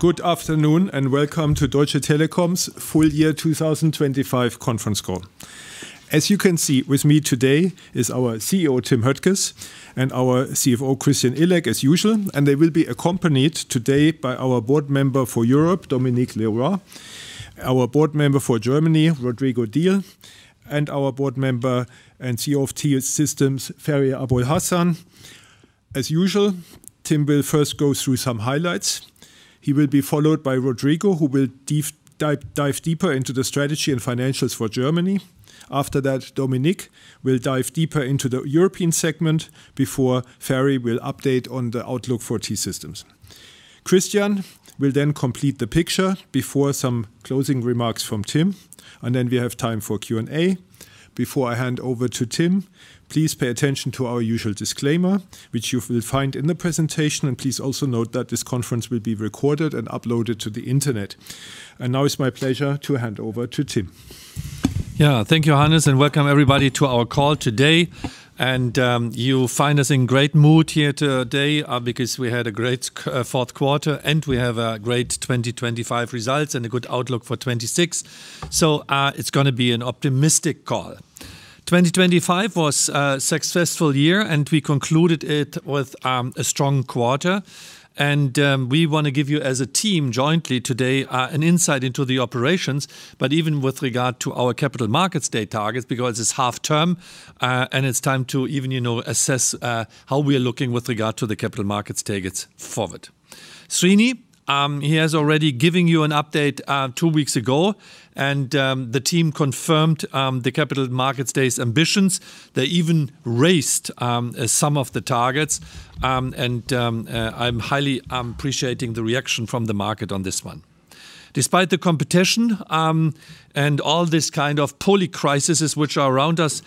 Good afternoon. Welcome to Deutsche Telekom's full-year 2025 conference call. As you can see, with me today is our CEO, Tim Höttges, and our CFO, Christian Illek, as usual. They will be accompanied today by our Board Member for Europe, Dominique Leroy; our Board Member for Germany, Rodrigo Diehl; and our Board Member and CEO of T-Systems, Ferri Abolhassan. As usual, Tim will first go through some highlights. He will be followed by Rodrigo, who will dive deeper into the strategy and financials for Germany. After that, Dominique will dive deeper into the European segment before Ferri will update on the outlook for T-Systems. Christian will then complete the picture before some closing remarks from Tim. Then we have time for Q&A. Before I hand over to Tim, please pay attention to our usual disclaimer, which you will find in the presentation, and please also note that this conference will be recorded and uploaded to the Internet. Now it's my pleasure to hand over to Tim. Yeah. Thank you, Hannes, welcome, everybody, to our call today. You'll find us in great mood here today because we had a great Q4, and we have a great 2025 results and a good outlook for 2026. It's gonna be an optimistic call. 2025 was a successful year, and we concluded it with a strong quarter. We wanna give you, as a team, jointly today, an insight into the operations, but even with regard to our Capital Markets Day targets, because it's half-term, and it's time to even, you know, assess how we are looking with regard to the capital markets targets forward. Srini, he has already giving you an update two weeks ago, the team confirmed the Capital Markets Day's ambitions. They even raised some of the targets, and I'm highly appreciating the reaction from the market on this one. Despite the competition, and all this kind of polycrisis which are around us,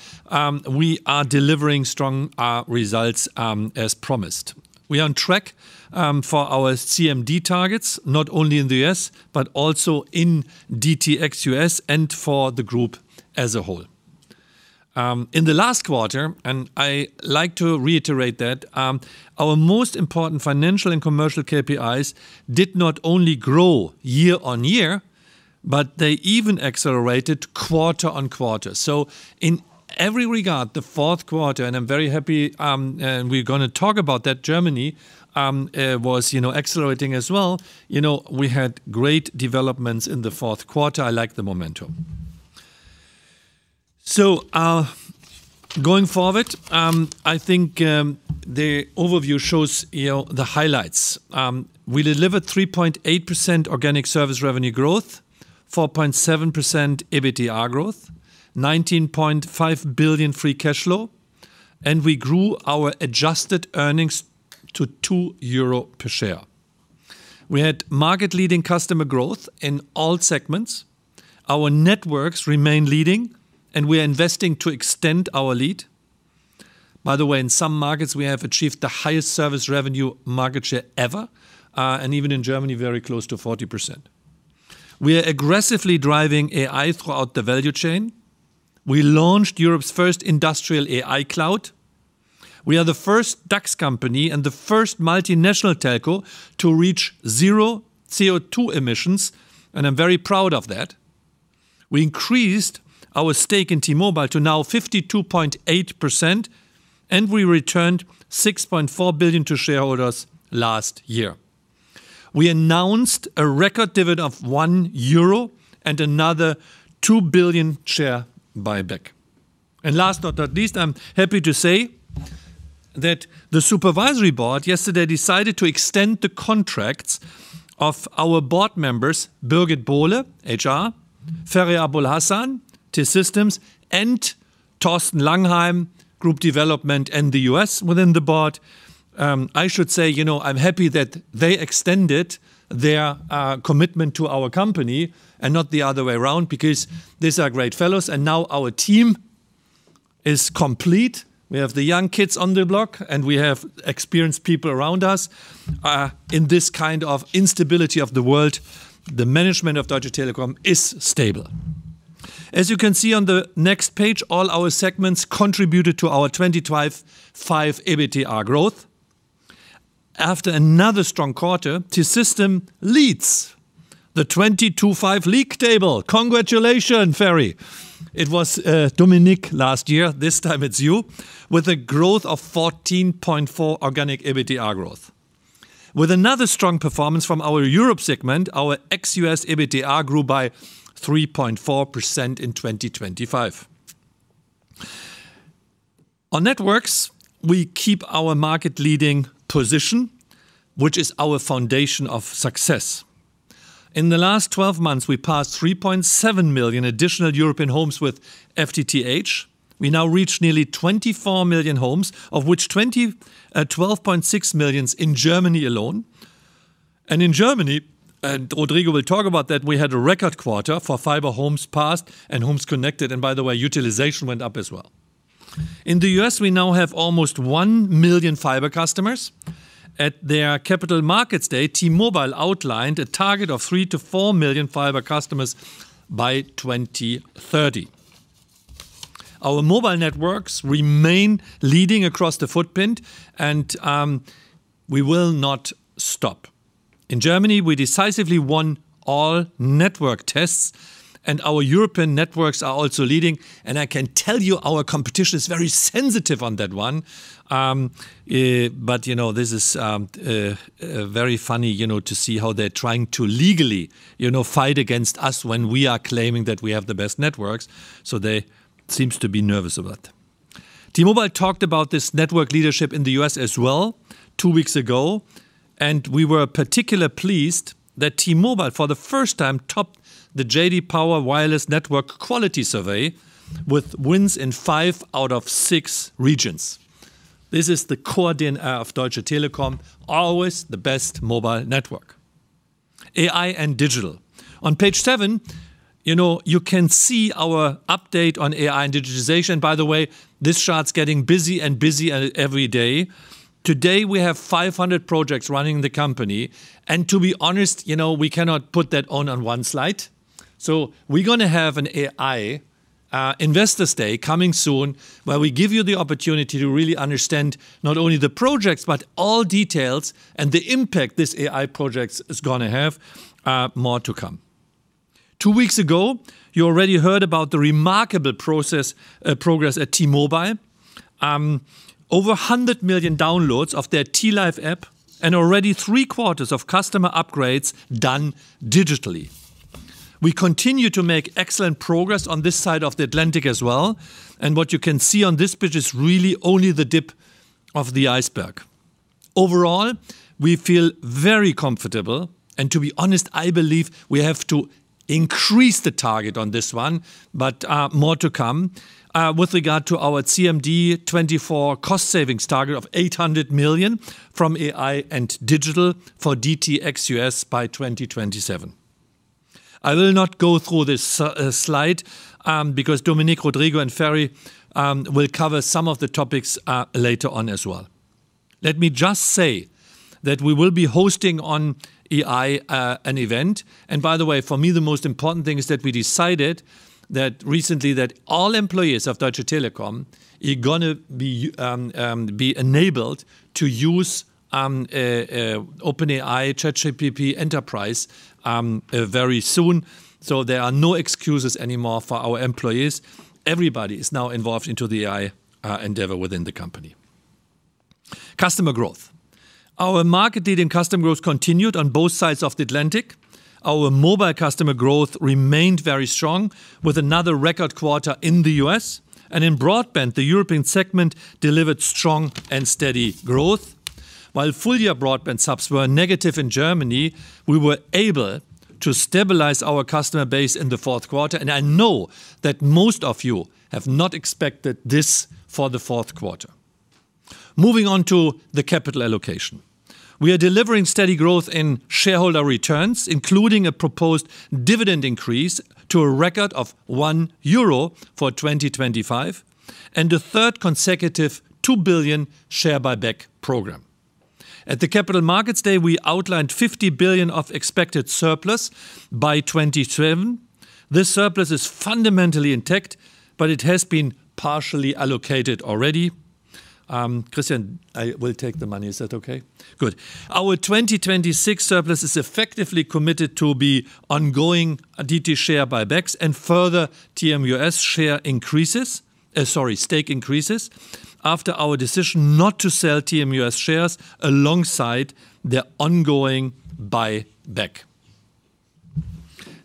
we are delivering strong results as promised. We are on track for our CMD targets, not only in the U.S., but also in DT ex US and for the group as a whole. In the last quarter, and I like to reiterate that, our most important financial and commercial KPIs did not only grow year-on-year, but they even accelerated quarter-on-quarter. In every regard, the Q4, and I'm very happy, and we're gonna talk about that Germany, was, you know, accelerating as well. You know, we had great developments in the Q4. I like the momentum. Going forward, I think, the overview shows, you know, the highlights. We delivered 3.8% organic service revenue growth, 4.7% EBITDA growth, 19.5 billion free cash flow, and we grew our adjusted earnings to 2 euro per share. We had market-leading customer growth in all segments. Our networks remain leading, and we are investing to extend our lead. By the way, in some markets, we have achieved the highest service revenue market share ever, and even in Germany, very close to 40%. We are aggressively driving AI throughout the value chain. We launched Europe's first Industrial AI Cloud. We are the first DAX company and the first multinational telco to reach zero CO2 emissions, and I'm very proud of that. We increased our stake in T-Mobile to now 52.8%. We returned 6.4 billion to shareholders last year. We announced a record dividend of 1 euro and another 2 billion share buyback. Last but not least, I'm happy to say that the supervisory board yesterday decided to extend the contracts of our board members, Birgit Bohle, HR; Ferri Abolhassan, T-Systems; and Thorsten Langheim, Group Development and the U.S. within the board. I should say, you know, I'm happy that they extended their commitment to our company and not the other way around, because these are great fellows, now our team is complete. We have the young kids on the block, we have experienced people around us. In this kind of instability of the world, the management of Deutsche Telekom is stable. As you can see on the next page, all our segments contributed to our 2025 EBITDA growth. After another strong quarter, T-Systems leads the 2025 league table. Congratulations, Ferri! It was Dominique last year. This time it's you, with a growth of 14.4 organic EBITDA growth. With another strong performance from our Europe segment, our ex-U.S. EBITDA grew by 3.4% in 2025. On networks, we keep our market-leading position, which is our foundation of success. In the last 12 months, we passed 3.7 million additional European homes with FTTH. We now reach nearly 24 million homes, of which 12.6 million in Germany alone. In Germany, and Rodrigo will talk about that, we had a record quarter for fiber homes passed and homes connected, and by the way, utilization went up as well. In the U.S., we now have almost 1 million fiber customers. At their Capital Markets Day, T-Mobile outlined a target of 3 million-4 million fiber customers by 2030. Our mobile networks remain leading across the footprint, we will not stop. In Germany, we decisively won all network tests, our European networks are also leading, I can tell you our competition is very sensitive on that one. You know, this is very funny, you know, to see how they're trying to legally, you know, fight against us when we are claiming that we have the best networks, they seems to be nervous about that. T-Mobile talked about this network leadership in the U.S. as well two weeks ago, we were particularly pleased that T-Mobile, for the first time, topped the J.D. Power Wireless Network Quality Survey with wins in five out of six regions. This is the core DNA of Deutsche Telekom: always the best mobile network. AI and digital. On page seven, you know, you can see our update on AI and digitization. By the way, this chart's getting busy and busier every day. Today, we have 500 projects running in the company, and to be honest, you know, we cannot put that on one slide. We're gonna have an AI Investors Day coming soon, where we give you the opportunity to really understand not only the projects, but all details and the impact this AI project is gonna have. More to come. Two weeks ago, you already heard about the remarkable progress at T-Mobile. Over 100 million downloads of their T-Life app and already three-quarters of customer upgrades done digitally. We continue to make excellent progress on this side of the Atlantic as well, and what you can see on this page is really only the tip of the iceberg. Overall, we feel very comfortable, and to be honest, I believe we have to increase the target on this one, but more to come. With regard to our CMD 2024 cost savings target of 800 million from AI and Digital for DT ex US by 2027. I will not go through this slide because Dominique, Rodrigo, and Ferri will cover some of the topics later on as well. Let me just say that we will be hosting on AI, an event. By the way, for me, the most important thing is that we decided that recently that all employees of Deutsche Telekom are gonna be enabled to use OpenAI ChatGPT Enterprise very soon. There are no excuses anymore for our employees. Everybody is now involved into the AI endeavor within the company. Customer growth. Our market data and customer growth continued on both sides of the Atlantic. Our mobile customer growth remained very strong, with another record quarter in the U.S. In broadband, the European segment delivered strong and steady growth. While full-year broadband subs were negative in Germany, we were able to stabilize our customer base in the Q4, and I know that most of you have not expected this for the Q4. Moving on to the capital allocation. We are delivering steady growth in shareholder returns, including a proposed dividend increase to a record of 1 euro for 2025, and a third consecutive 2 billion share buyback program. At the Capital Markets Day, we outlined 50 billion of expected surplus by 2027. This surplus is fundamentally intact. It has been partially allocated already. Christian, I will take the money. Is that okay? Good. Our 2026 surplus is effectively committed to be ongoing DT share buybacks and further TMUS share increases, sorry, stake increases, after our decision not to sell TMUS shares alongside their ongoing buyback.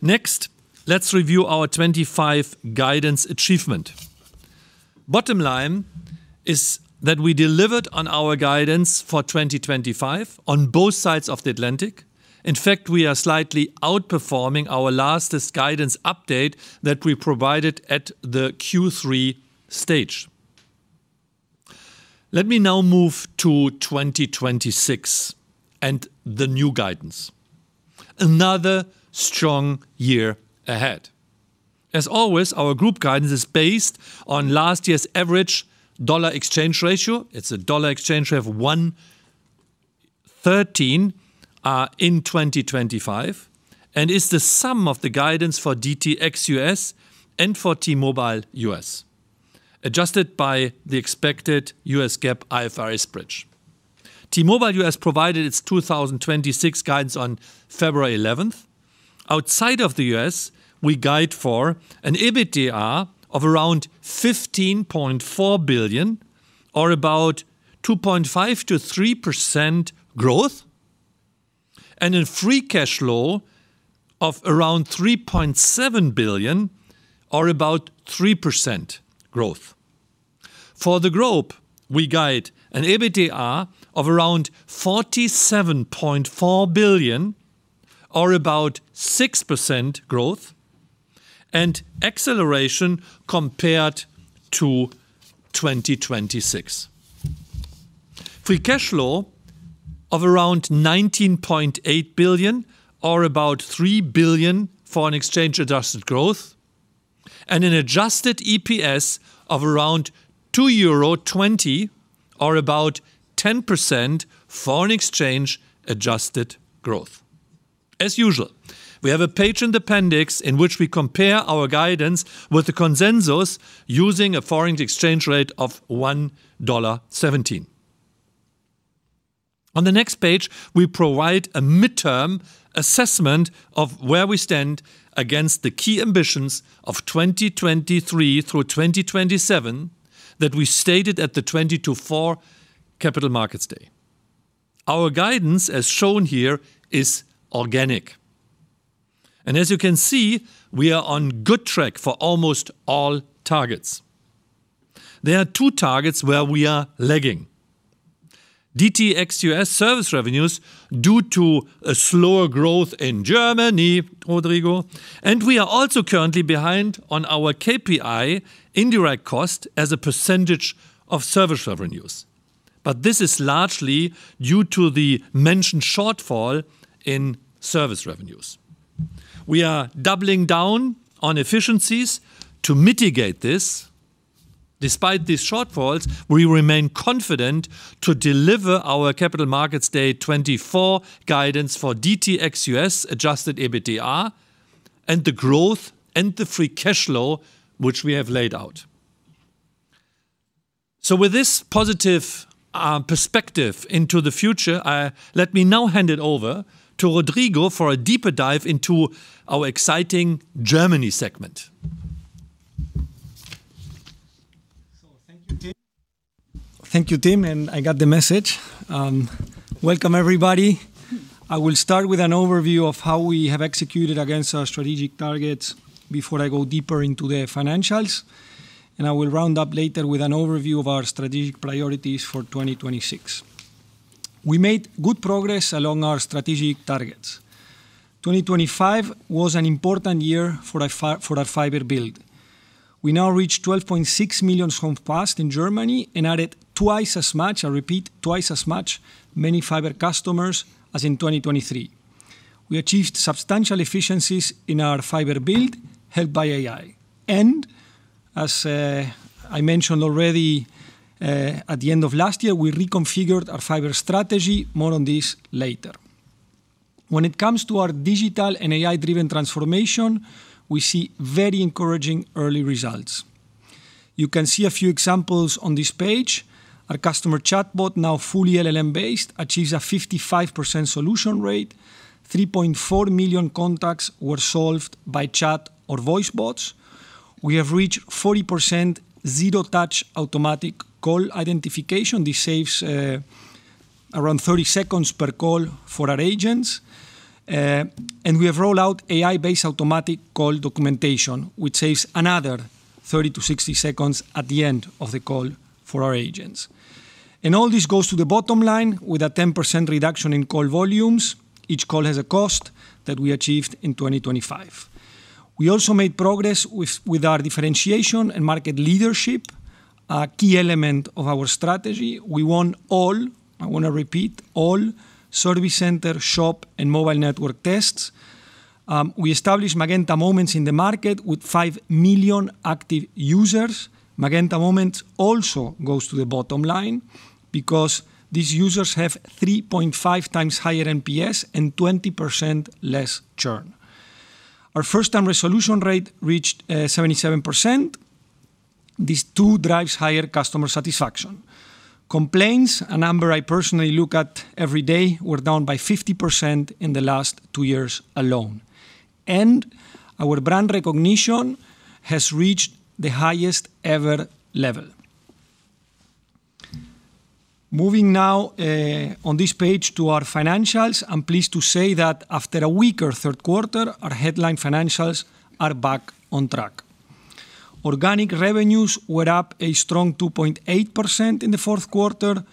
Let's review our 2025 guidance achievement. Bottom line is that we delivered on our guidance for 2025 on both sides of the Atlantic. We are slightly outperforming our latest guidance update that we provided at the Q3 stage. Let me now move to 2026 and the new guidance. Another strong year ahead. As always, our group guidance is based on last year's average dollar exchange ratio. It's a dollar exchange rate of 1.13 in 2025, and is the sum of the guidance for DT ex US and for T-Mobile U.S., adjusted by the expected U.S. GAAP IFRS bridge. T-Mobile U.S. provided its 2026 guidance on February 11th. Outside of the U.S., we guide for an EBITDA of around 15.4 billion, or about 2.5%-3% growth, and a free cash flow of around 3.7 billion, or about 3% growth. For the group, we guide an EBITDA of around 47.4 billion, or about 6% growth, and an acceleration compared to 2026. Free cash flow of around 19.8 billion, or about 3 billion foreign exchange-adjusted growth, and an adjusted EPS of around 2.20 euro, or about 10% foreign exchange-adjusted growth. As usual, we have a page and appendix in which we compare our guidance with the consensus using a foreign exchange rate of $1.17. On the next page, we provide a midterm assessment of where we stand against the key ambitions of 2023 through 2027, that we stated at the 2024 Capital Markets Day. Our guidance, as shown here, is organic. As you can see, we are on good track for almost all targets. There are two targets where we are lagging: DT ex US service revenues, due to a slower growth in Germany, Rodrigo, and we are also currently behind on our KPI indirect cost as a percentage of service revenues. This is largely due to the mentioned shortfall in service revenues. We are doubling down on efficiencies to mitigate this. Despite these shortfalls, we remain confident to deliver our Capital Markets Day 2024 guidance for DT ex US adjusted EBITDA, and the growth and the free cashflow which we have laid out. With this positive perspective into the future, let me now hand it over to Rodrigo for a deeper dive into our exciting Germany segment. Thank you, Tim. Thank you, Tim, and I got the message. Welcome, everybody. I will start with an overview of how we have executed against our strategic targets before I go deeper into the financials, and I will round up later with an overview of our strategic priorities for 2026. We made good progress along our strategic targets. 2025 was an important year for our fiber build. We now reached 12.6 million homes passed in Germany and added twice as much, I repeat, twice as much, many fiber customers as in 2023. We achieved substantial efficiencies in our fiber build, helped by AI. As I mentioned already, at the end of last year, we reconfigured our fiber strategy. More on this later. When it comes to our digital and AI-driven transformation, we see very encouraging early results. You can see a few examples on this page. Our customer chatbot, now fully LLM-based, achieves a 55% solution rate. 3.4 million contacts were solved by chat or voice bots. We have reached 40% zero-touch automatic call identification. This saves around 30 seconds per call for our agents. We have rolled out AI-based automatic call documentation, which saves another 30-60 seconds at the end of the call for our agents. All this goes to the bottom line with a 10% reduction in call volumes, each call has a cost, that we achieved in 2025. We also made progress with our differentiation and market leadership, a key element of our strategy. We won all, I want to repeat, all survey center, shop, and mobile network tests. We established Magenta Moments in the market with 5 million active users. Magenta Moments also goes to the bottom line because these users have 3.5x higher NPS and 20% less churn. Our first-time resolution rate reached 77%. These two drives higher customer satisfaction. Complaints, a number I personally look at every day, were down by 50% in the last two years alone, and our brand recognition has reached the highest ever level. Moving now on this page to our financials. I'm pleased to say that after a weaker Q3, our headline financials are back on track. Organic revenues were up a strong 2.8% in the Q4.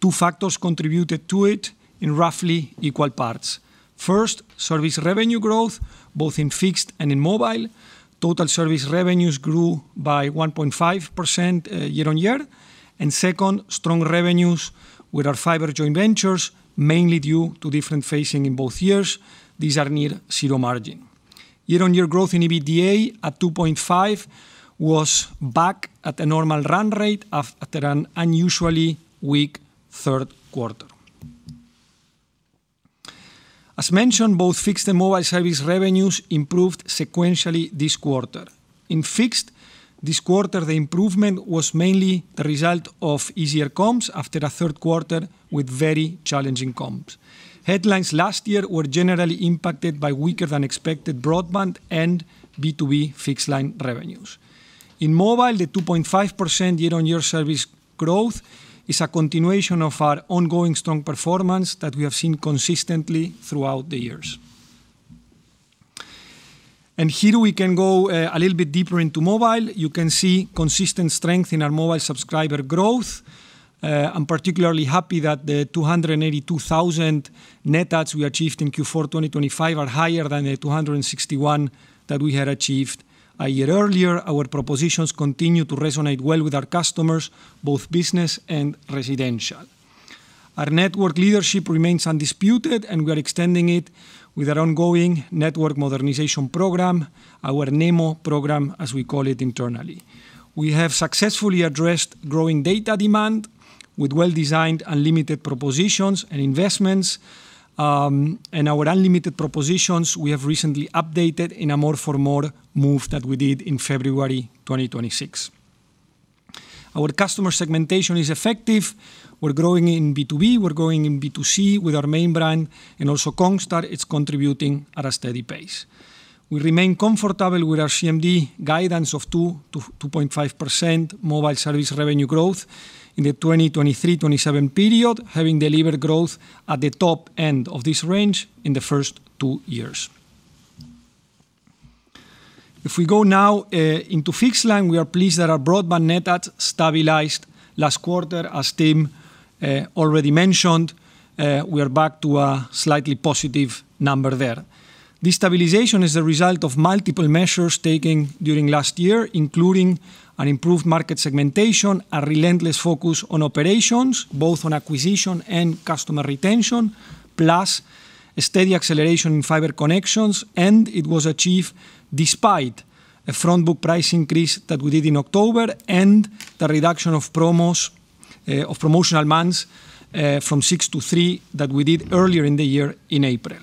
Two factors contributed to it in roughly equal parts. First, service revenue growth, both in fixed and in mobile. Total service revenues grew by 1.5% year-on-year. Second, strong revenues with our fiber joint ventures, mainly due to different phasing in both years. These are near zero margin. Year-on-year growth in EBITDA at 2.5% was back at a normal run rate after an unusually weak Q3. As mentioned, both fixed and mobile service revenues improved sequentially this quarter. In fixed, this quarter, the improvement was mainly the result of easier comps after a Q3 with very challenging comps. Headlines last year were generally impacted by weaker-than-expected broadband and B2B fixed-line revenues. In mobile, the 2.5% year-on-year service growth is a continuation of our ongoing strong performance that we have seen consistently throughout the years. Here we can go a little bit deeper into mobile. You can see consistent strength in our mobile subscriber growth. I'm particularly happy that the 282,000 net adds we achieved in Q4 2025 are higher than the 261 that we had achieved a year earlier. Our propositions continue to resonate well with our customers, both business and residential. Our network leadership remains undisputed, and we are extending it with our ongoing network modernization program. Our NEMO program, as we call it internally. We have successfully addressed growing data demand with well-designed unlimited propositions and investments. Our unlimited propositions, we have recently updated in a more for more move that we did in February 2026. Our customer segmentation is effective. We're growing in B2B, we're growing in B2C with our main brand, and also congstar is contributing at a steady pace. We remain comfortable with our CMD guidance of 2%-2.5% mobile service revenue growth in the 2023-2027 period, having delivered growth at the top end of this range in the first two years. If we go now into fixed-line, we are pleased that our broadband net add stabilized last quarter. As Tim already mentioned, we are back to a slightly positive number there. This stabilization is a result of multiple measures taken during last year, including an improved market segmentation, a relentless focus on operations, both on acquisition and customer retention, plus a steady acceleration in fiber connections. It was achieved despite a front book price increase that we did in October, and the reduction of promos, of promotional months, from six to three, that we did earlier in the year in April.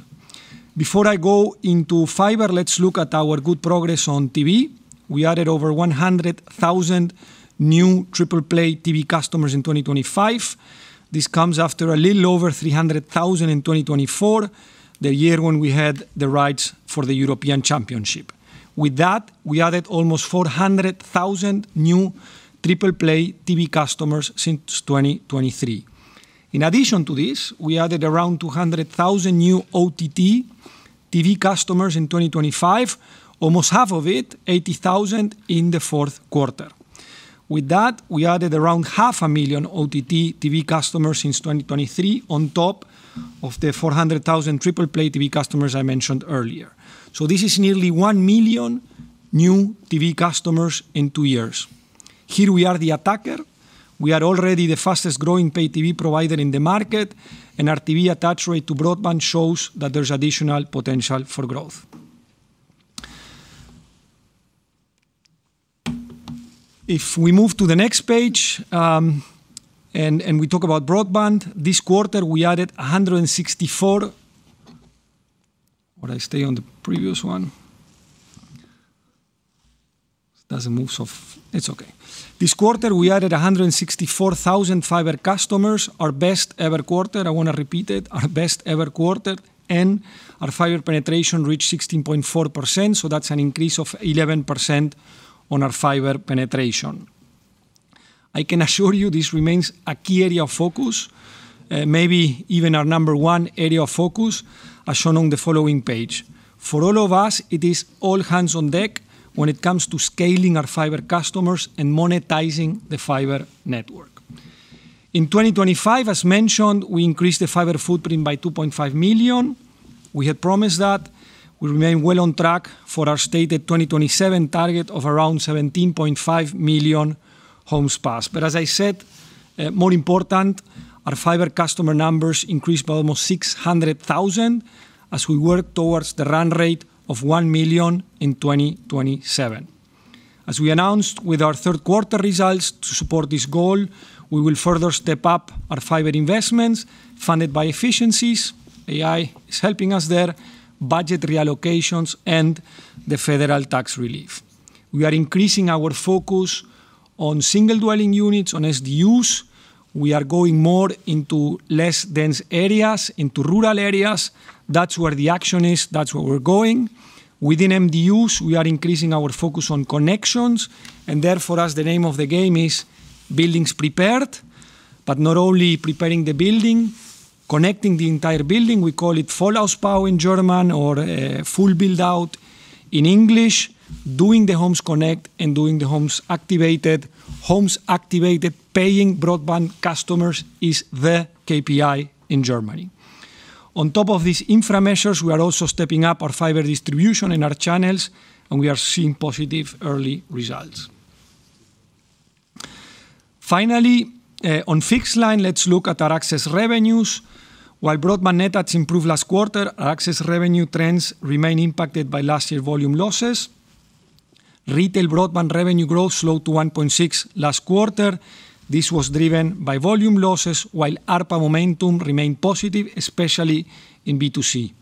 Before I go into fiber, let's look at our good progress on TV. We added over 100,000 new Triple Play TV customers in 2025. This comes after a little over 300,000 in 2024, the year when we had the rights for the European Championship. With that, we added almost 400,000 new Triple Play TV customers since 2023. In addition to this, we added around 200,000 new OTT TV customers in 2025. Almost half of it, 80,000, in the Q4. With that, we added around half a million OTT TV customers since 2023, on top of the 400,000 Triple Play TV customers I mentioned earlier. This is nearly 1 million new TV customers in two years. Here we are the attacker. We are already the fastest-growing paid TV provider in the market, our TV attach rate to broadband shows that there's additional potential for growth. If we move to the next page, we talk about broadband. Or I stay on the previous one? It doesn't move, so it's okay. This quarter, we added 164,000 fiber customers. Our best ever quarter, I want to repeat it, our best ever quarter, our fiber penetration reached 16.4%, that's an increase of 11% on our fiber penetration. I can assure you this remains a key area of focus, maybe even our one area of focus, as shown on the following page. For all of us, it is all hands on deck when it comes to scaling our fiber customers and monetizing the fiber network. In 2025, as mentioned, we increased the fiber footprint by 2.5 million. We had promised that. We remain well on track for our stated 2027 target of around 17.5 million homes passed. As I said, more important, our fiber customer numbers increased by almost 600,000 as we work towards the run rate of 1 million in 2027. As we announced with our Q3 results, to support this goal, we will further step up our fiber investments funded by efficiencies, AI is helping us there, budget reallocations, and the federal tax relief. We are increasing our focus on single dwelling units, on SDUs. We are going more into less dense areas, into rural areas. That's where the action is. That's where we're going. Within MDUs, we are increasing our focus on connections, and therefore, as the name of the game is, buildings prepared. Not only preparing the building, connecting the entire building, we call it Vollausbau in German or full build-out in English. Doing the Homes Connect and doing the homes activated. Homes activated, paying broadband customers is the KPI in Germany. On top of these infra measures, we are also stepping up our fiber distribution in our channels, and we are seeing positive early results. Finally, on fixed line, let's look at our access revenues. While broadband net adds improved last quarter, our access revenue trends remain impacted by last year's volume losses. Retail broadband revenue growth slowed to 1.6% last quarter. This was driven by volume losses, while ARPA momentum remained positive, especially in B2C.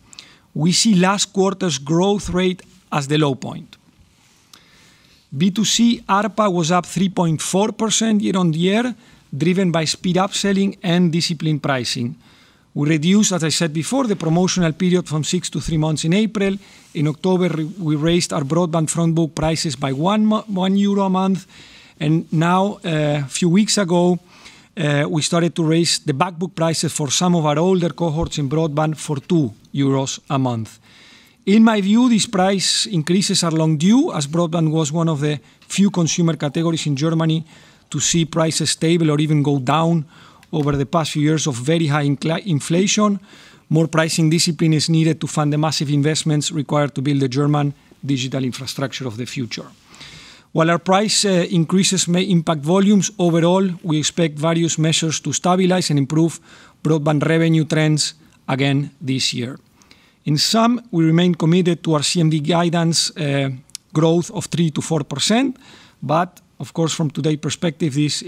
We see last quarter's growth rate as the low point. B2C, ARPA was up 3.4% year-over-year, driven by speed upselling and disciplined pricing. We reduced, as I said before, the promotional period from six to three months in April. In October, we raised our broadband front book prices by 1 euro a month, and now, a few weeks ago, we started to raise the back book prices for some of our older cohorts in broadband for 2 euros a month. In my view, these price increases are long due, as broadband was one of the few consumer categories in Germany to see prices stable or even go down over the past few years of very high inflation. More pricing discipline is needed to fund the massive investments required to build the German digital infrastructure of the future. While our price increases may impact volumes, overall, we expect various measures to stabilize and improve broadband revenue trends again this year. In sum, we remain committed to our CMD guidance growth of 3%-4%, but of course, from today perspective, this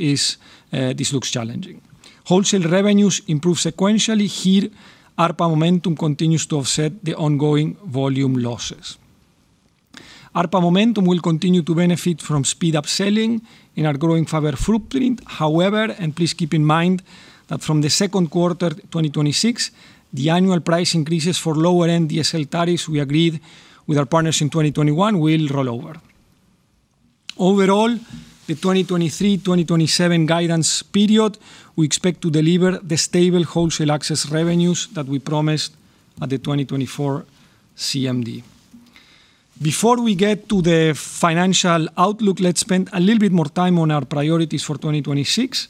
looks challenging. Wholesale revenues improve sequentially. Here, ARPA momentum continues to offset the ongoing volume losses. ARPA momentum will continue to benefit from speed up selling in our growing fiber footprint. However, and please keep in mind, that from the Q2, 2026, the annual price increases for lower-end DSL tariffs we agreed with our partners in 2021 will roll over. Overall, the 2023-2027 guidance period, we expect to deliver the stable wholesale access revenues that we promised at the 2024 CMD. Before we get to the financial outlook, let's spend a little bit more time on our priorities for 2026.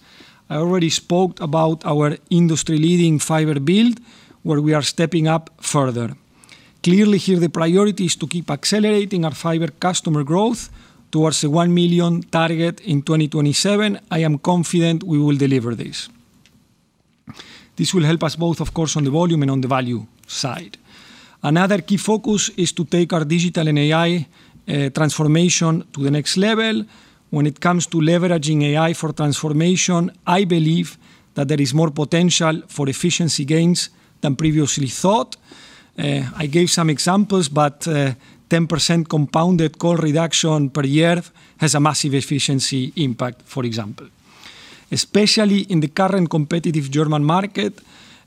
I already spoke about our industry-leading fiber build, where we are stepping up further. Clearly, here the priority is to keep accelerating our fiber customer growth towards the 1 million target in 2027. I am confident we will deliver this. This will help us both, of course, on the volume and on the value side. Another key focus is to take our digital and AI transformation to the next level. When it comes to leveraging AI for transformation, I believe that there is more potential for efficiency gains than previously thought. I gave some examples, but 10% compounded core reduction per year has a massive efficiency impact, for example. Especially in the current competitive German market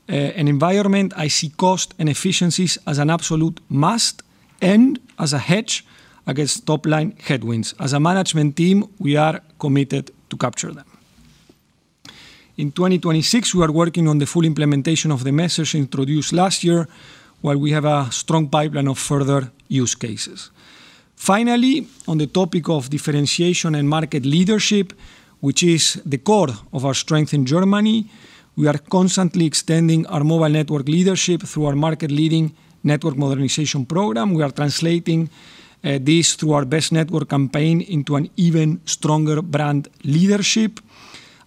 and environment, I see cost and efficiencies as an absolute must and as a hedge against top-line headwinds. As a management team, we are committed to capture them. In 2026, we are working on the full implementation of the message introduced last year, while we have a strong pipeline of further use cases. On the topic of differentiation and market leadership, which is the core of our strength in Germany, we are constantly extending our mobile network leadership through our market-leading network modernization program. We are translating this through our best network campaign into an even stronger brand leadership.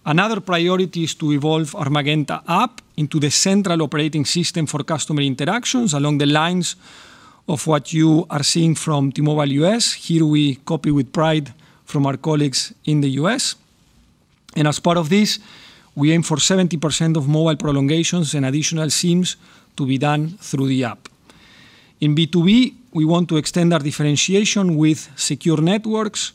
Another priority is to evolve our MeinMagenta app into the central operating system for customer interactions, along the lines of what you are seeing from T-Mobile US. Here we copy with pride from our colleagues in the U.S. As part of this, we aim for 70% of mobile prolongations and additional SIMs to be done through the app. In B2B, we want to extend our differentiation with secure networks,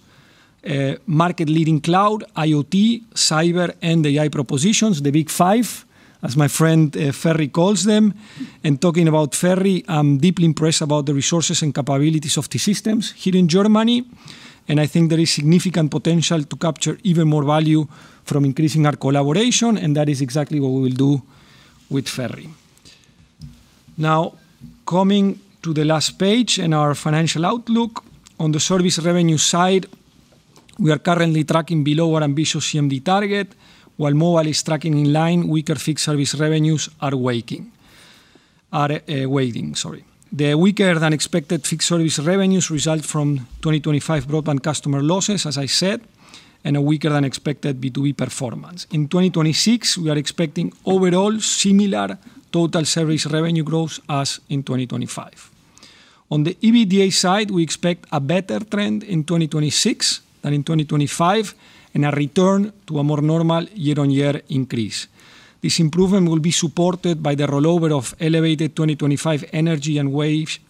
market-leading cloud, IoT, cyber, and AI propositions, the Big Five, as my friend, Ferri, calls them. Talking about Ferri, I'm deeply impressed about the resources and capabilities of T-Systems here in Germany, and I think there is significant potential to capture even more value from increasing our collaboration, and that is exactly what we will do with Ferri. Now, coming to the last page in our financial outlook. On the service revenue side, we are currently tracking below our ambitious CMD target. While mobile is tracking in line, weaker fixed service revenues are waiting, sorry. The weaker-than-expected fixed service revenues result from 2025 broadband customer losses, as I said, and a weaker-than-expected B2B performance. 2026, we are expecting overall similar total service revenue growth as in 2025. On the EBITDA side, we expect a better trend in 2026 than in 2025, and a return to a more normal year-on-year increase. This improvement will be supported by the rollover of elevated 2025 energy and wage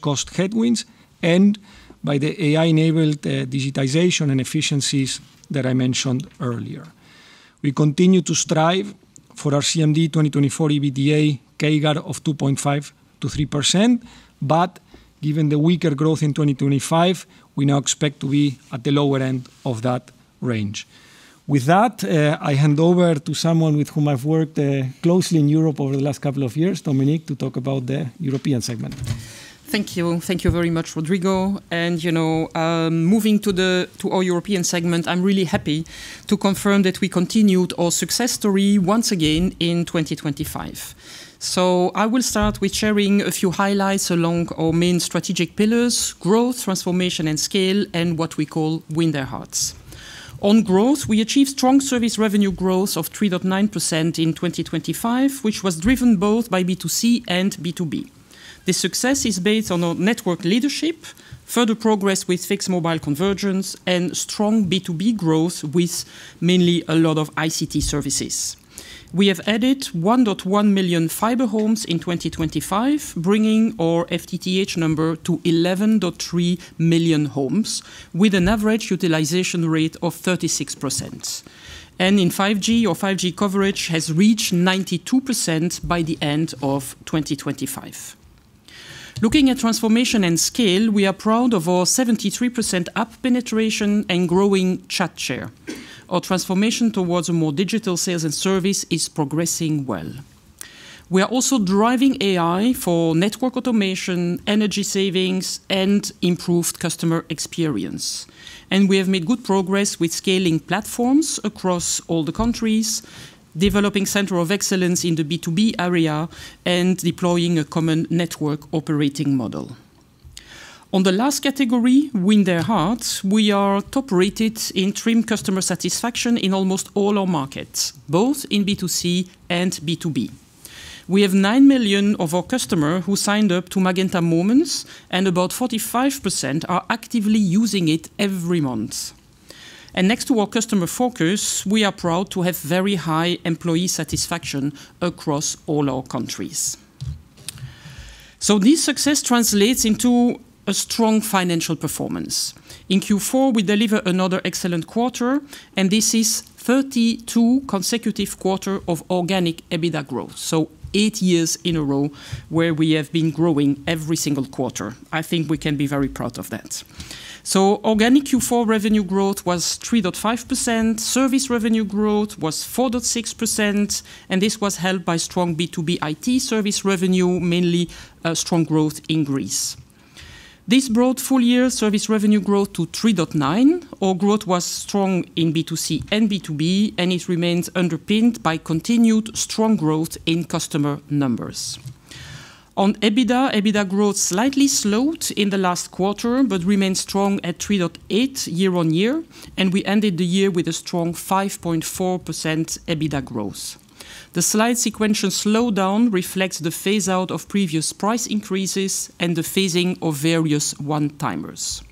cost headwinds and by the AI-enabled digitization and efficiencies that I mentioned earlier. We continue to strive for our CMD 2024 EBITDA CAGR of 2.5%-3%, given the weaker growth in 2025, we now expect to be at the lower end of that range. With that, I hand over to someone with whom I've worked closely in Europe over the last couple of years, Dominique, to talk about the European segment. Thank you. Thank you very much, Rodrigo. you know, moving to our European segment, I'm really happy to confirm that we continued our success story once again in 2025. I will start with sharing a few highlights along our main strategic pillars: growth, transformation, and scale, and what we call win their hearts. On growth, we achieved strong service revenue growth of 3.9% in 2025, which was driven both by B2C and B2B. This success is based on our network leadership, further progress with fixed mobile convergence, and strong B2B growth with mainly a lot of ICT services. We have added 1.1 million fiber homes in 2025, bringing our FTTH number to 11.3 million homes, with an average utilization rate of 36%. In 5G, our 5G coverage has reached 92% by the end of 2025. Looking at transformation and scale, we are proud of our 73% app penetration and growing chat share. Our transformation towards a more digital sales and service is progressing well. We are also driving AI for network automation, energy savings, and improved customer experience. We have made good progress with scaling platforms across all the countries, developing center of excellence in the B2B area, and deploying a common network operating model. On the last category, win their hearts, we are top-rated in TRI*M customer satisfaction in almost all our markets, both in B2C and B2B. We have 9 million of our customer who signed up to Magenta Moments, and about 45% are actively using it every month. Next to our customer focus, we are proud to have very high employee satisfaction across all our countries. This success translates into a strong financial performance. In Q4, we deliver another excellent quarter, and this is 32 consecutive quarter of organic EBITDA growth. Eight years in a row where we have been growing every single quarter. I think we can be very proud of that. Organic Q4 revenue growth was 3.5%. Service revenue growth was 4.6%, and this was held by strong B2B IT service revenue, mainly strong growth in Greece. This brought full-year service revenue growth to 3.9%. Our growth was strong in B2C and B2B, and it remains underpinned by continued strong growth in customer numbers. On EBITDA growth slightly slowed in the last quarter, but remained strong at 3.8% year-on-year, and we ended the year with a strong 5.4% EBITDA growth. The slight sequential slowdown reflects the phase out of previous price increases and the phasing of various one-timers.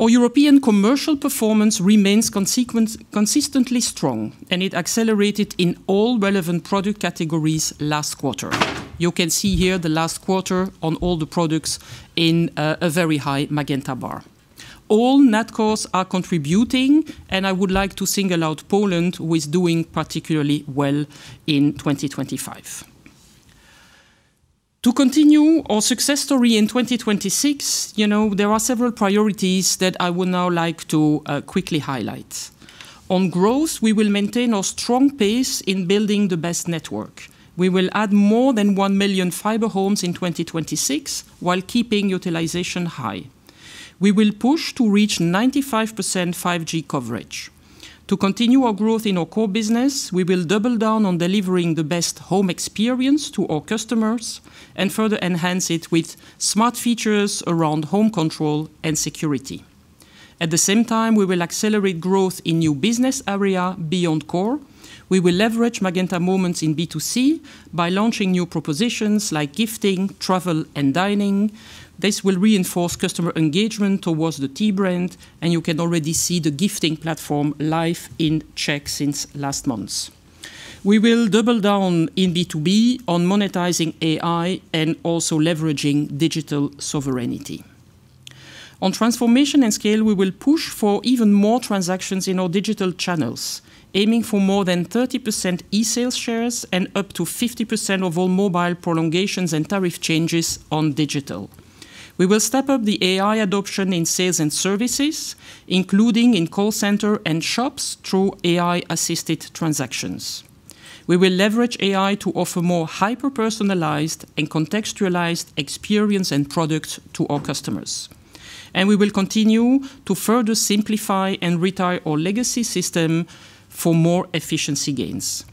Our European commercial performance remains consistently strong, and it accelerated in all relevant product categories last quarter. You can see here the last quarter on all the products in a very high Magenta bar. All NatCos are contributing, and I would like to single out Poland, who is doing particularly well in 2025. To continue our success story in 2026, you know, there are several priorities that I would now like to quickly highlight. On growth, we will maintain our strong pace in building the best network. We will add more than 1 million fiber homes in 2026, while keeping utilization high. We will push to reach 95% 5G coverage. To continue our growth in our core business, we will double down on delivering the best home experience to our customers and further enhance it with smart features around home control and security. At the same time, we will accelerate growth in new business area beyond core. We will leverage Magenta Moments in B2C by launching new propositions like gifting, travel, and dining. This will reinforce customer engagement towards the T-Brand, you can already see the gifting platform live in Czech since last month. We will double down in B2B on monetizing AI and also leveraging digital sovereignty. On transformation and scale, we will push for even more transactions in our digital channels, aiming for more than 30% e-sales shares and up to 50% of all mobile prolongations and tariff changes on digital. We will step up the AI adoption in sales and services, including in call center and shops, through AI-assisted transactions. We will leverage AI to offer more hyper-personalized and contextualized experience and products to our customers. We will continue to further simplify and retire our legacy system for more efficiency gains.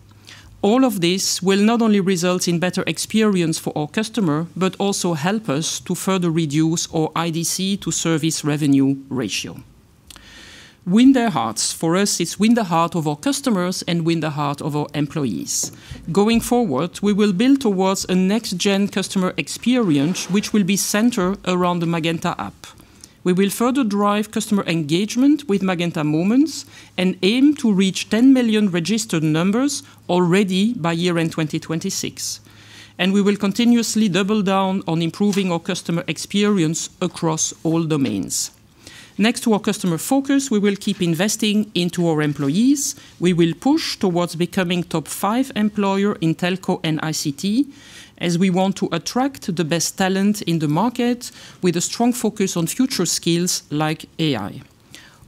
All of this will not only result in better experience for our customer, but also help us to further reduce our IDC-to-service revenue ratio. Win their hearts. For us, it's win the heart of our customers and win the heart of our employees. Going forward, we will build towards a next-gen customer experience, which will be centered around the MeinMagenta app. We will further drive customer engagement with Magenta Moments and aim to reach 10 million registered numbers already by year-end 2026, and we will continuously double down on improving our customer experience across all domains. Next to our customer focus, we will keep investing into our employees. We will push towards becoming top five employer in telco and ICT, as we want to attract the best talent in the market, with a strong focus on future skills like AI.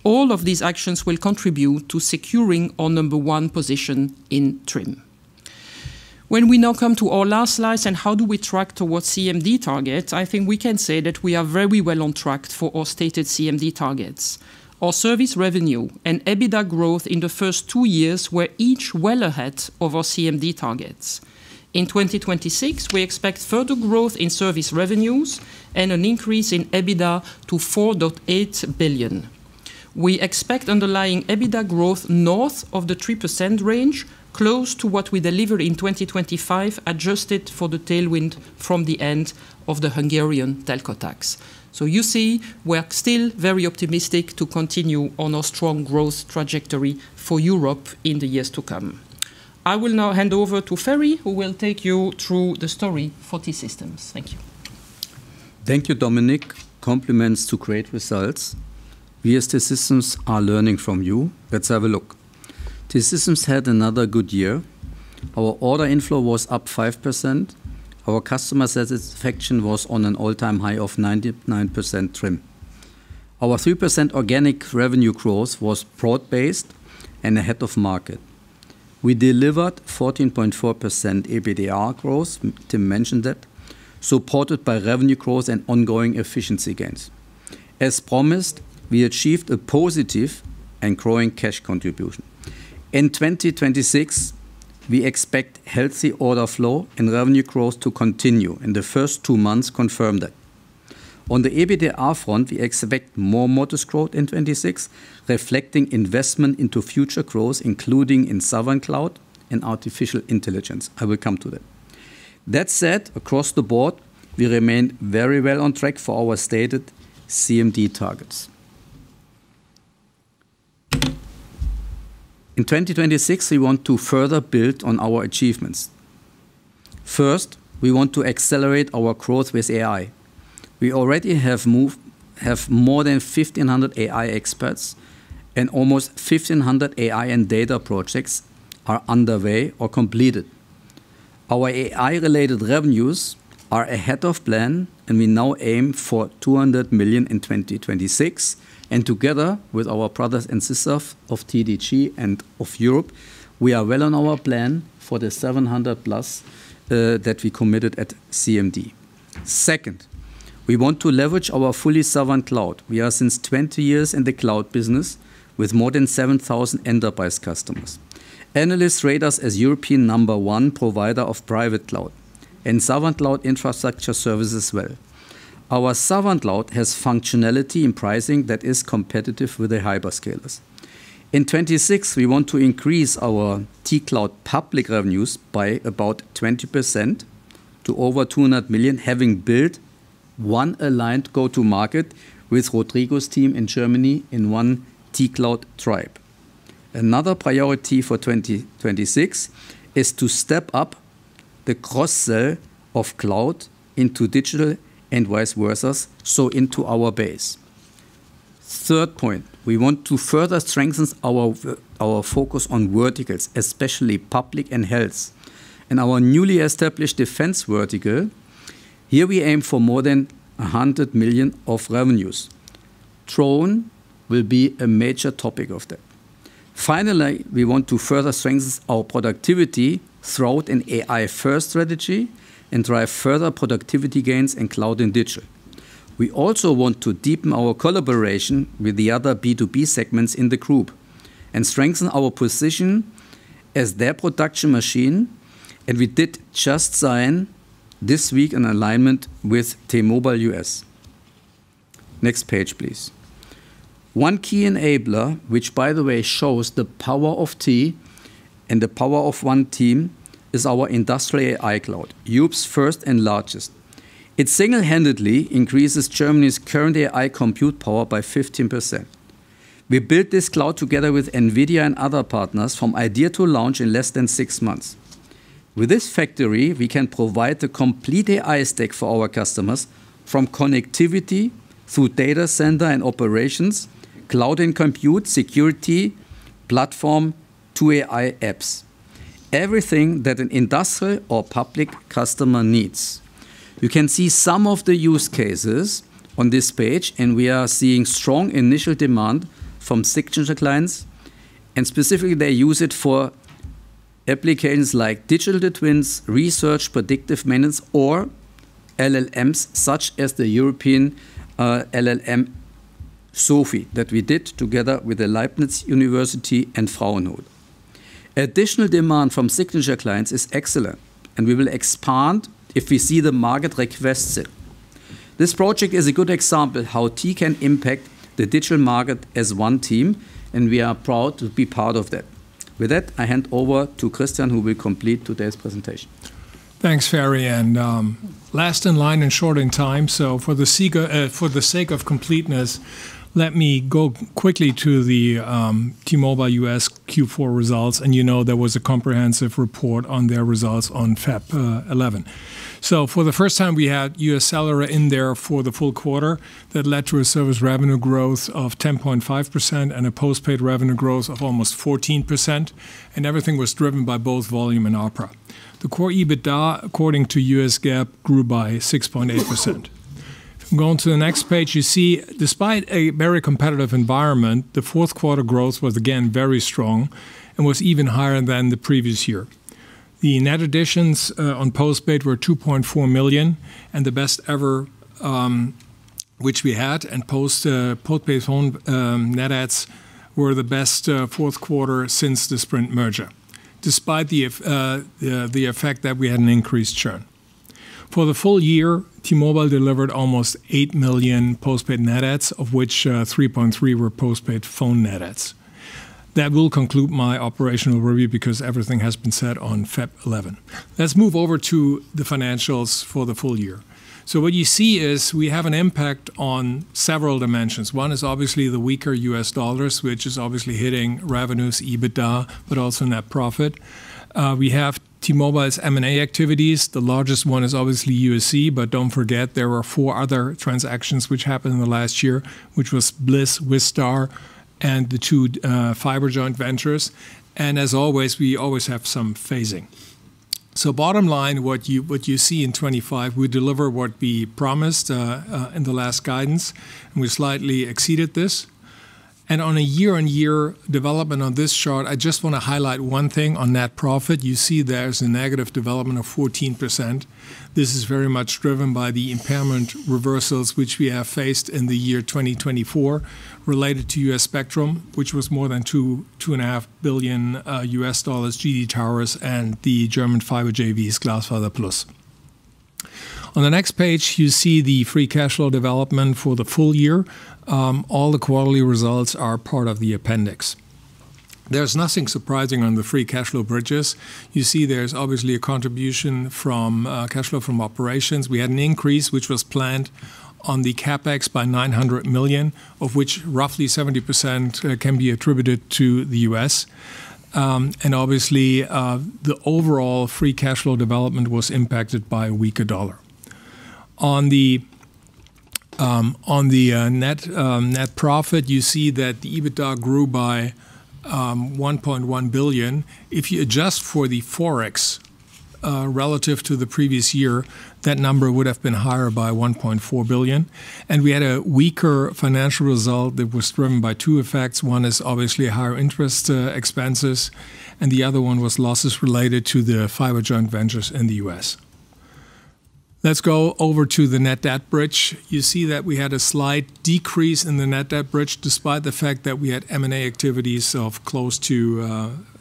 All of these actions will contribute to securing our number one position in TRI*M. When we now come to our last slides and how do we track towards CMD targets, I think we can say that we are very well on track for our stated CMD targets. Our service revenue and EBITDA growth in the first two years were each well ahead of our CMD targets. In 2026, we expect further growth in service revenues and an increase in EBITDA to 4.8 billion. We expect underlying EBITDA growth north of the 3% range, close to what we deliver in 2025, adjusted for the tailwind from the end of the Hungarian telco tax. You see, we are still very optimistic to continue on our strong growth trajectory for Europe in the years to come. I will now hand over to Ferri, who will take you through the story for T-Systems. Thank you. Thank you, Dominique. Compliments to great results. We as T-Systems are learning from you. Let's have a look. T-Systems had another good year. Our order inflow was up 5%. Our customer satisfaction was on an all-time high of 99% TRI*M. Our 3% organic revenue growth was broad-based and ahead of market. We delivered 14.4% EBITDA growth, Tim mentioned that, supported by revenue growth and ongoing efficiency gains. As promised, we achieved a positive and growing cash contribution. We expect healthy order flow and revenue growth to continue, and the first two months confirm that. On the EBITDA front, we expect more modest growth in 2026, reflecting investment into future growth, including in Sovereign Cloud and artificial intelligence. I will come to that. That said, across the board, we remain very well on track for our stated CMD targets. In 2026, we want to further build on our achievements. First, we want to accelerate our growth with AI. We already have more than 1,500 AI experts, and almost 1,500 AI and data projects are underway or completed. Our AI-related revenues are ahead of plan. We now aim for 200 million in 2026. Together with our brothers and sisters of TDG and of Europe, we are well on our plan for the 700+ that we committed at CMD. Second, we want to leverage our fully Sovereign Cloud. We are since 20 years in the cloud business with more than 7,000 enterprise customers. Analysts rate us as European number-one provider of private cloud and Sovereign Cloud infrastructure services well. Our Sovereign Cloud has functionality and pricing that is competitive with the hyperscalers. In 2026, we want to increase our T-Cloud Public revenues by about 20% to over 200 million, having built one aligned go-to-market with Rodrigo's team in Germany in one T Cloud tribe. Another priority for 2026 is to step up the cross-sell of cloud into digital and vice versas, so into our base. Third point, we want to further strengthen our focus on verticals, especially public and health, and our newly established defense vertical. Here we aim for more than 100 million of revenues. THRONE will be a major topic of that. Finally, we want to further strengthen our productivity throughout an AI-first strategy and drive further productivity gains in cloud and digital. We also want to deepen our collaboration with the other B2B segments in the group and strengthen our position as their production machine. We did just sign this week an alignment with T-Mobile US. Next page, please. One key enabler, which by the way shows the power of T and the power of one team, is our Industrial AI Cloud, Europe's first and largest. It single-handedly increases Germany's current AI compute power by 15%. We built this cloud together with NVIDIA and other partners, from idea to launch in less than six months. With this factory, we can provide the complete AI stack for our customers, from connectivity through data center and operations, cloud and compute, security, platform, to AI apps, everything that an industrial or public customer needs. You can see some of the use cases on this page, and we are seeing strong initial demand from signature clients, and specifically, they use it for applications like digital twins, research, predictive maintenance, or LLMs, such as the European LLM Sophie, that we did together with the Leibniz University and Fraunhofer. Additional demand from signature clients is excellent, and we will expand if we see the market requests it. This project is a good example how T can impact the digital market as one team, and we are proud to be part of that. With that, I hand over to Christian, who will complete today's presentation. Thanks, Ferri, last in line and short in time. For the sake of completeness, let me go quickly to the T-Mobile U.S. Q4 results, and you know there was a comprehensive report on their results on February 11. For the first time, we had UScellular in there for the full quarter. That led to a service revenue growth of 10.5% and a postpaid revenue growth of almost 14%, and everything was driven by both volume and ARPA. The core EBITDA, according to U.S. GAAP, grew by 6.8%. If you go on to the next page, you see despite a very competitive environment, the Q4 growth was again very strong and was even higher than the previous year. The net additions on postpaid were 2.4 million, and the best ever, which we had, and postpaid phone net adds were the best Q4 since the Sprint merger, despite the effect that we had an increased churn. For the full-year, T-Mobile delivered almost 8 million postpaid net adds, of which 3.3 were postpaid phone net adds. That will conclude my operational review because everything has been said on February 11. Let's move over to the financials for the full-year. What you see is we have an impact on several dimensions. One is obviously the weaker U.S. dollars, which is obviously hitting revenues, EBITDA, but also net profit. We have T-Mobile's M&A activities. The largest one is obviously UScellular, don't forget, there were four other transactions which happened in the last year, which was Blis, Vistar, and the two fiber joint ventures, as always, we always have some phasing. Bottom line, what you see in 25, we deliver what we promised in the last guidance, and we slightly exceeded this. On a year-on-year development on this chart, I just want to highlight one thing on net profit. You see there's a negative development of 14%. This is very much driven by the impairment reversals, which we have faced in the year 2024 related to U.S. spectrum, which was more than $2.5 billion, GD Towers and the German Fiber JVs, GlasfaserPlus. On the next page, you see the free cash flow development for the full-year. All the quarterly results are part of the appendix. There's nothing surprising on the free cash flow bridges. You see there's obviously a contribution from cash flow from operations. We had an increase, which was planned, on the CapEx by 900 million, of which roughly 70% can be attributed to the U.S. Obviously, the overall free cash flow development was impacted by a weaker dollar. On the net net profit, you see that the EBITDA grew by 1.1 billion. If you adjust for the Forex relative to the previous year, that number would have been higher by 1.4 billion. We had a weaker financial result that was driven by two effects. One is obviously higher interest expenses, and the other one was losses related to the fiber joint ventures in the U.S. Let's go over to the net debt bridge. You see that we had a slight decrease in the net debt bridge, despite the fact that we had M&A activities of close to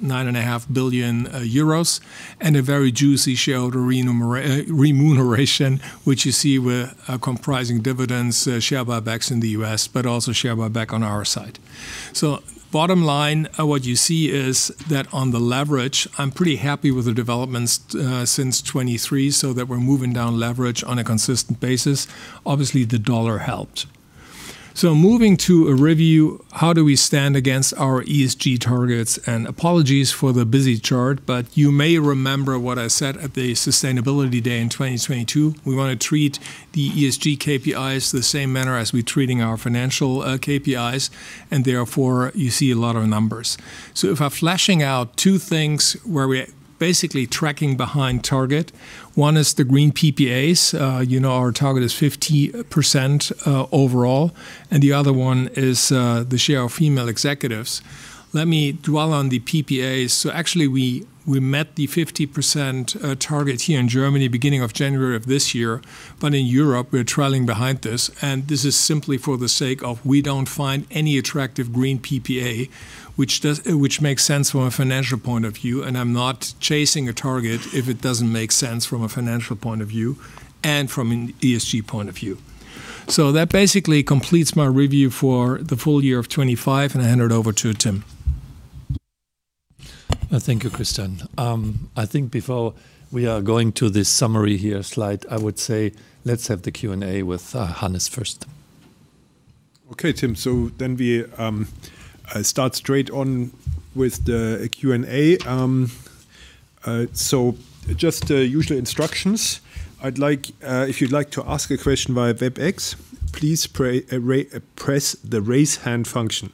9.5 billion euros, and a very juicy shareholder remuneration, which you see were comprising dividends, share buybacks in the U.S., but also share buyback on our side. Bottom line, what you see is that on the leverage, I'm pretty happy with the developments since 2023, so that we're moving down leverage on a consistent basis. Obviously, the dollar helped. Moving to a review, how do we stand against our ESG targets? Apologies for the busy chart, you may remember what I said at the Sustainability Day in 2022. We wanna treat the ESG KPIs the same manner as we're treating our financial KPIs. Therefore, you see a lot of numbers. If I'm flashing out two things where we're basically tracking behind target, one is the green PPAs. You know, our target is 50% overall. The other one is the share of female executives. Let me dwell on the PPAs. Actually, we met the 50% target here in Germany, beginning of January of this year. In Europe, we're trailing behind this. This is simply for the sake of we don't find any attractive green PPA, which makes sense from a financial point of view. I'm not chasing a target if it doesn't make sense from a financial point of view and from an ESG point of view. That basically completes my review for the full-year of 2025, and I hand it over to Tim. Thank you, Christian. I think before we are going to this summary here slide, I would say let's have the Q&A with Hannes first. Okay, Tim. We start straight on with the Q&A. Just the usual instructions. I'd like. If you'd like to ask a question via Webex, please press the Raise Hand function.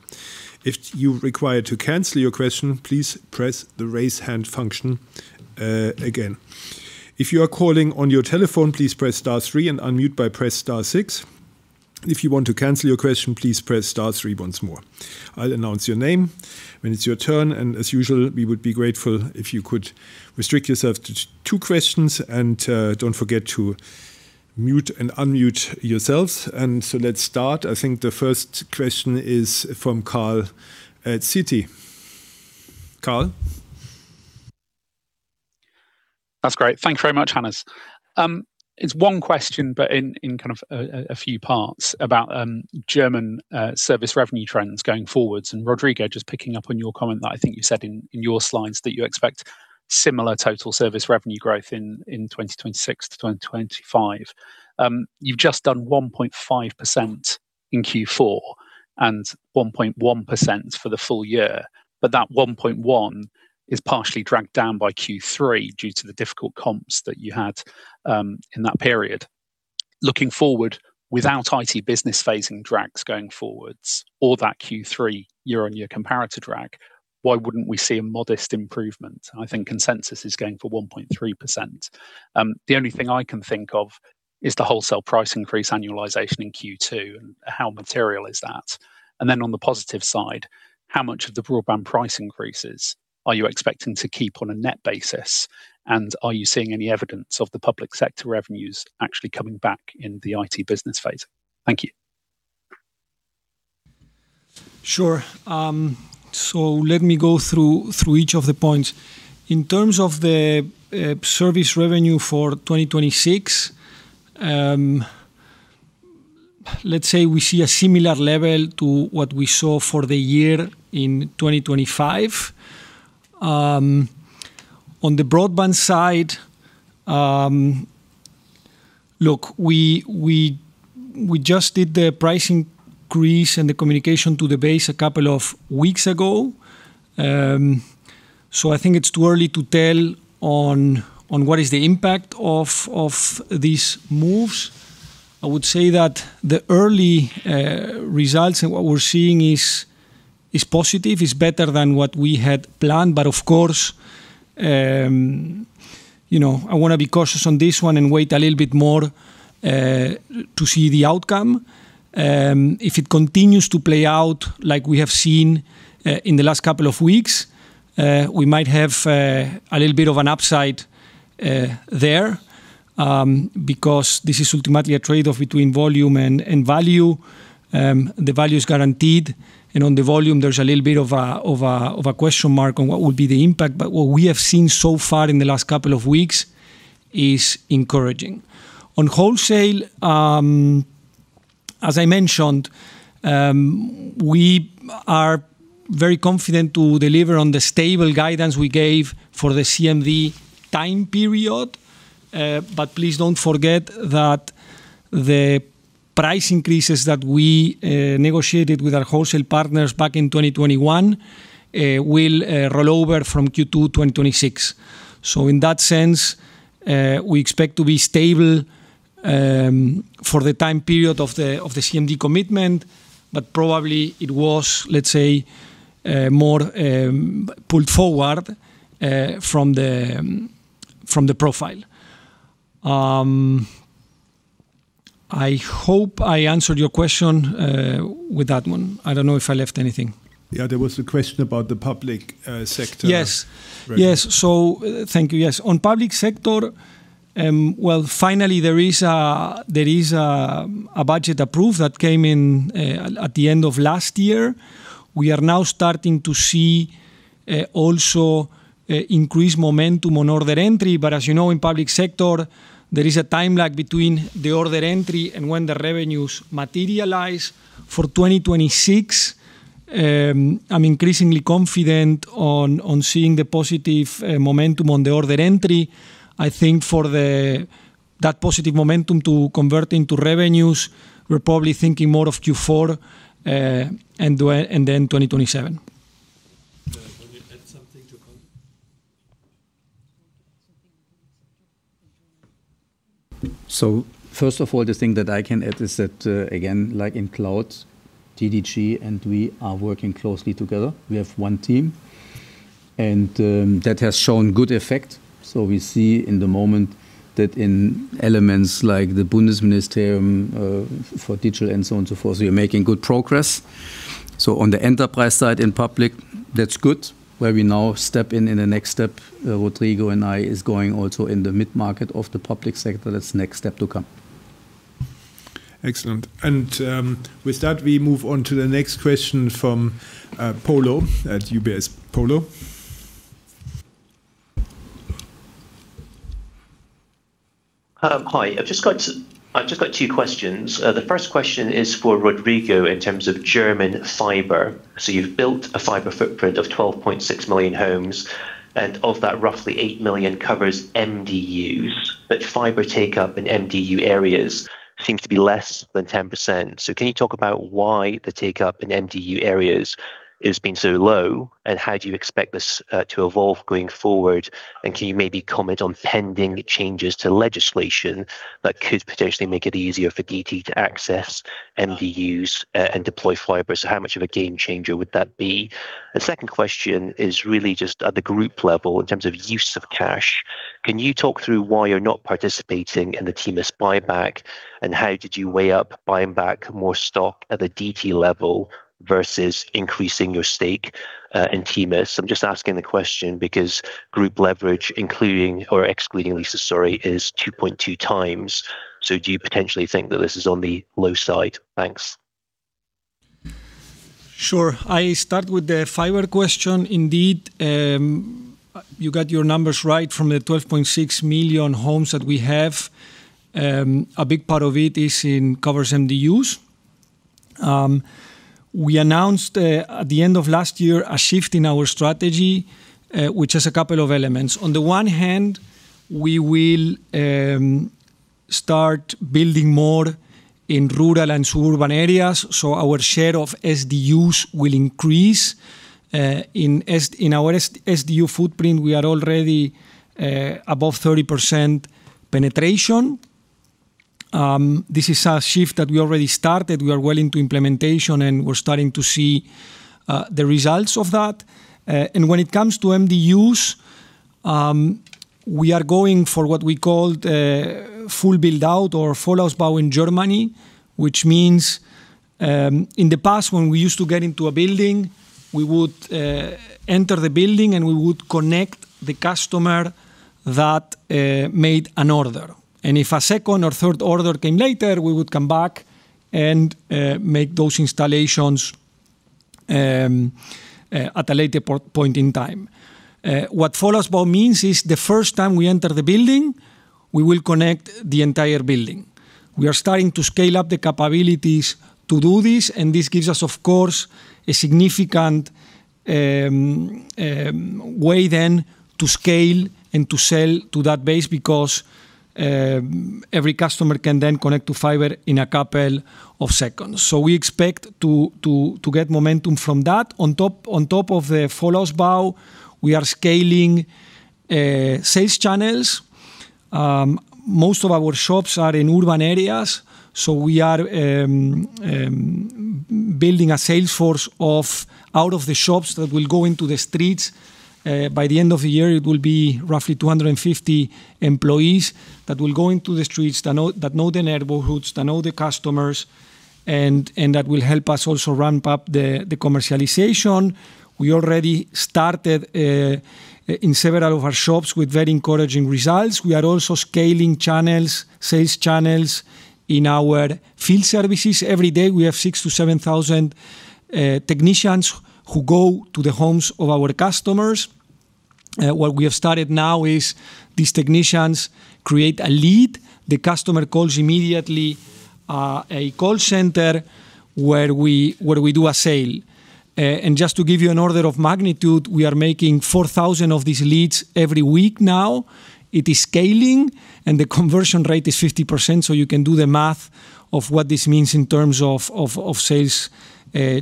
If you require to cancel your question, please press the Raise Hand function again. If you are calling on your telephone, please press star three and unmute by press star six. If you want to cancel your question, please press star three once more. I'll announce your name when it's your turn, and as usual, we would be grateful if you could restrict yourself to two questions and don't forget to mute and unmute yourselves. Let's start. I think the first question is from Carl at Citi. Carl? That's great. Thank you very much, Hannes. It's one question, but in kind of a few parts about German service revenue trends going forwards. Rodrigo, just picking up on your comment that I think you said in your slides, that you expect similar total service revenue growth in 2026 to 2025. You've just done 1.5% in Q4 and 1.1% for the full-year, but that 1.1% is partially dragged down by Q3 due to the difficult comps that you had in that period. Looking forward, without IT business phasing drags going forwards or that Q3 year-on-year comparator drag, why wouldn't we see a modest improvement? I think consensus is going for 1.3%. The only thing I can think of is the wholesale price increase annualization in Q2, how material is that? On the positive side, how much of the broadband price increases are you expecting to keep on a net basis? Are you seeing any evidence of the public sector revenues actually coming back in the IT business phase? Thank you. Sure. Let me go through each of the points. In terms of the service revenue for 2026, let's say we see a similar level to what we saw for the year in 2025. On the broadband side, look, we just did the price increase and the communication to the base a couple of weeks ago. I think it's too early to tell on what is the impact of these moves. I would say that the early results and what we're seeing is positive, is better than what we had planned, but of course, you know, I wanna be cautious on this one and wait a little bit more to see the outcome. If it continues to play out like we have seen, in the last couple of weeks, we might have a little bit of an upside there. Because this is ultimately a trade-off between volume and value. The value is guaranteed, and on the volume, there's a little bit of a question mark on what would be the impact. What we have seen so far in the last couple of weeks is encouraging. On wholesale, as I mentioned, we are very confident to deliver on the stable guidance we gave for the CMD time period. Please don't forget that the price increases that we negotiated with our wholesale partners back in 2021 will roll over from Q2 2026. In that sense, we expect to be stable for the time period of the CMD commitment, but probably it was, let's say, more pulled forward from the profile. I hope I answered your question with that one. I don't know if I left anything. Yeah, there was a question about the public sector. Yes. Right. Thank you. On public sector, well, finally, there is a budget approved that came in at the end of last year. We are now starting to see also increased momentum on order entry. As you know, in public sector, there is a time lag between the order entry and when the revenues materialize. For 2026, I'm increasingly confident on seeing the positive momentum on the order entry. I think that positive momentum to convert into revenues, we're probably thinking more of Q4, and then 2027. Want to add something to comment? First of all, the thing that I can add is that again, like in cloud, TDG, and we are working closely together. We have one team, and that has shown good effect. We see in the moment that in elements like the Bundesministerium for digital and so on, so forth, we are making good progress. On the enterprise side, in public, that's good, where we now step in the next step, Rodrigo and I is going also in the mid-market of the public sector. That's next step to come. Excellent. With that, we move on to the next question from, Polo at UBS. Polo? Hi. I've just got two questions. The first question is for Rodrigo in terms of German fiber. You've built a fiber footprint of 12.6 million homes, and of that, roughly 8 million covers MDUs. Fiber take-up in MDU areas seems to be less than 10%. Can you talk about why the take-up in MDU areas has been so low, and how do you expect this to evolve going forward? Can you maybe comment on pending changes to legislation that could potentially make it easier for DT to access MDUs and deploy fiber? How much of a game changer would that be? The second question is really just at the group level in terms of use of cash. Can you talk through why you're not participating in the TMUS buyback, and how did you weigh up buying back more stock at the DT level versus increasing your stake in TMUS? I'm just asking the question because group leverage, including or excluding leases, sorry, is 2.2x. Do you potentially think that this is on the low side? Thanks. Sure. I start with the fiber question. Indeed, you got your numbers right. From the 12.6 million homes that we have, a big part of it is in covers MDUs. We announced at the end of last year, a shift in our strategy, which has a couple of elements. On the one hand, we will start building more in rural and suburban areas, so our share of SDUs will increase. In our SDU footprint, we are already above 30% penetration. This is a shift that we already started. We are well into implementation, and we're starting to see the results of that. When it comes to MDUs, we are going for what we call the full build out or Vollausbau in Germany, which means, in the past, when we used to get into a building, we would enter the building, and we would connect the customer that made an order. If a second or third order came later, we would come back and make those installations at a later point in time. What Vollausbau means is the first time we enter the building, we will connect the entire building. We are starting to scale up the capabilities to do this, and this gives us, of course, a significant way then to scale and to sell to that base because every customer can then connect to fiber in a couple of seconds. We expect to get momentum from that. On top of the Vollausbau, we are scaling sales channels. Most of our shops are in urban areas, we are building a sales force out of the shops that will go into the streets. By the end of the year, it will be roughly 250 employees that will go into the streets that know the neighborhoods, that know the customers, and that will help us also ramp up the commercialization. We already started in several of our shops with very encouraging results. We are also scaling channels, sales channels in our field services. Every day, we have 6,000-7,000 technicians who go to the homes of our customers. What we have started now is these technicians create a lead. The customer calls immediately, a call center where we do a sale. Just to give you an order of magnitude, we are making 4,000 of these leads every week now. It is scaling, and the conversion rate is 50%, so you can do the math of what this means in terms of sales,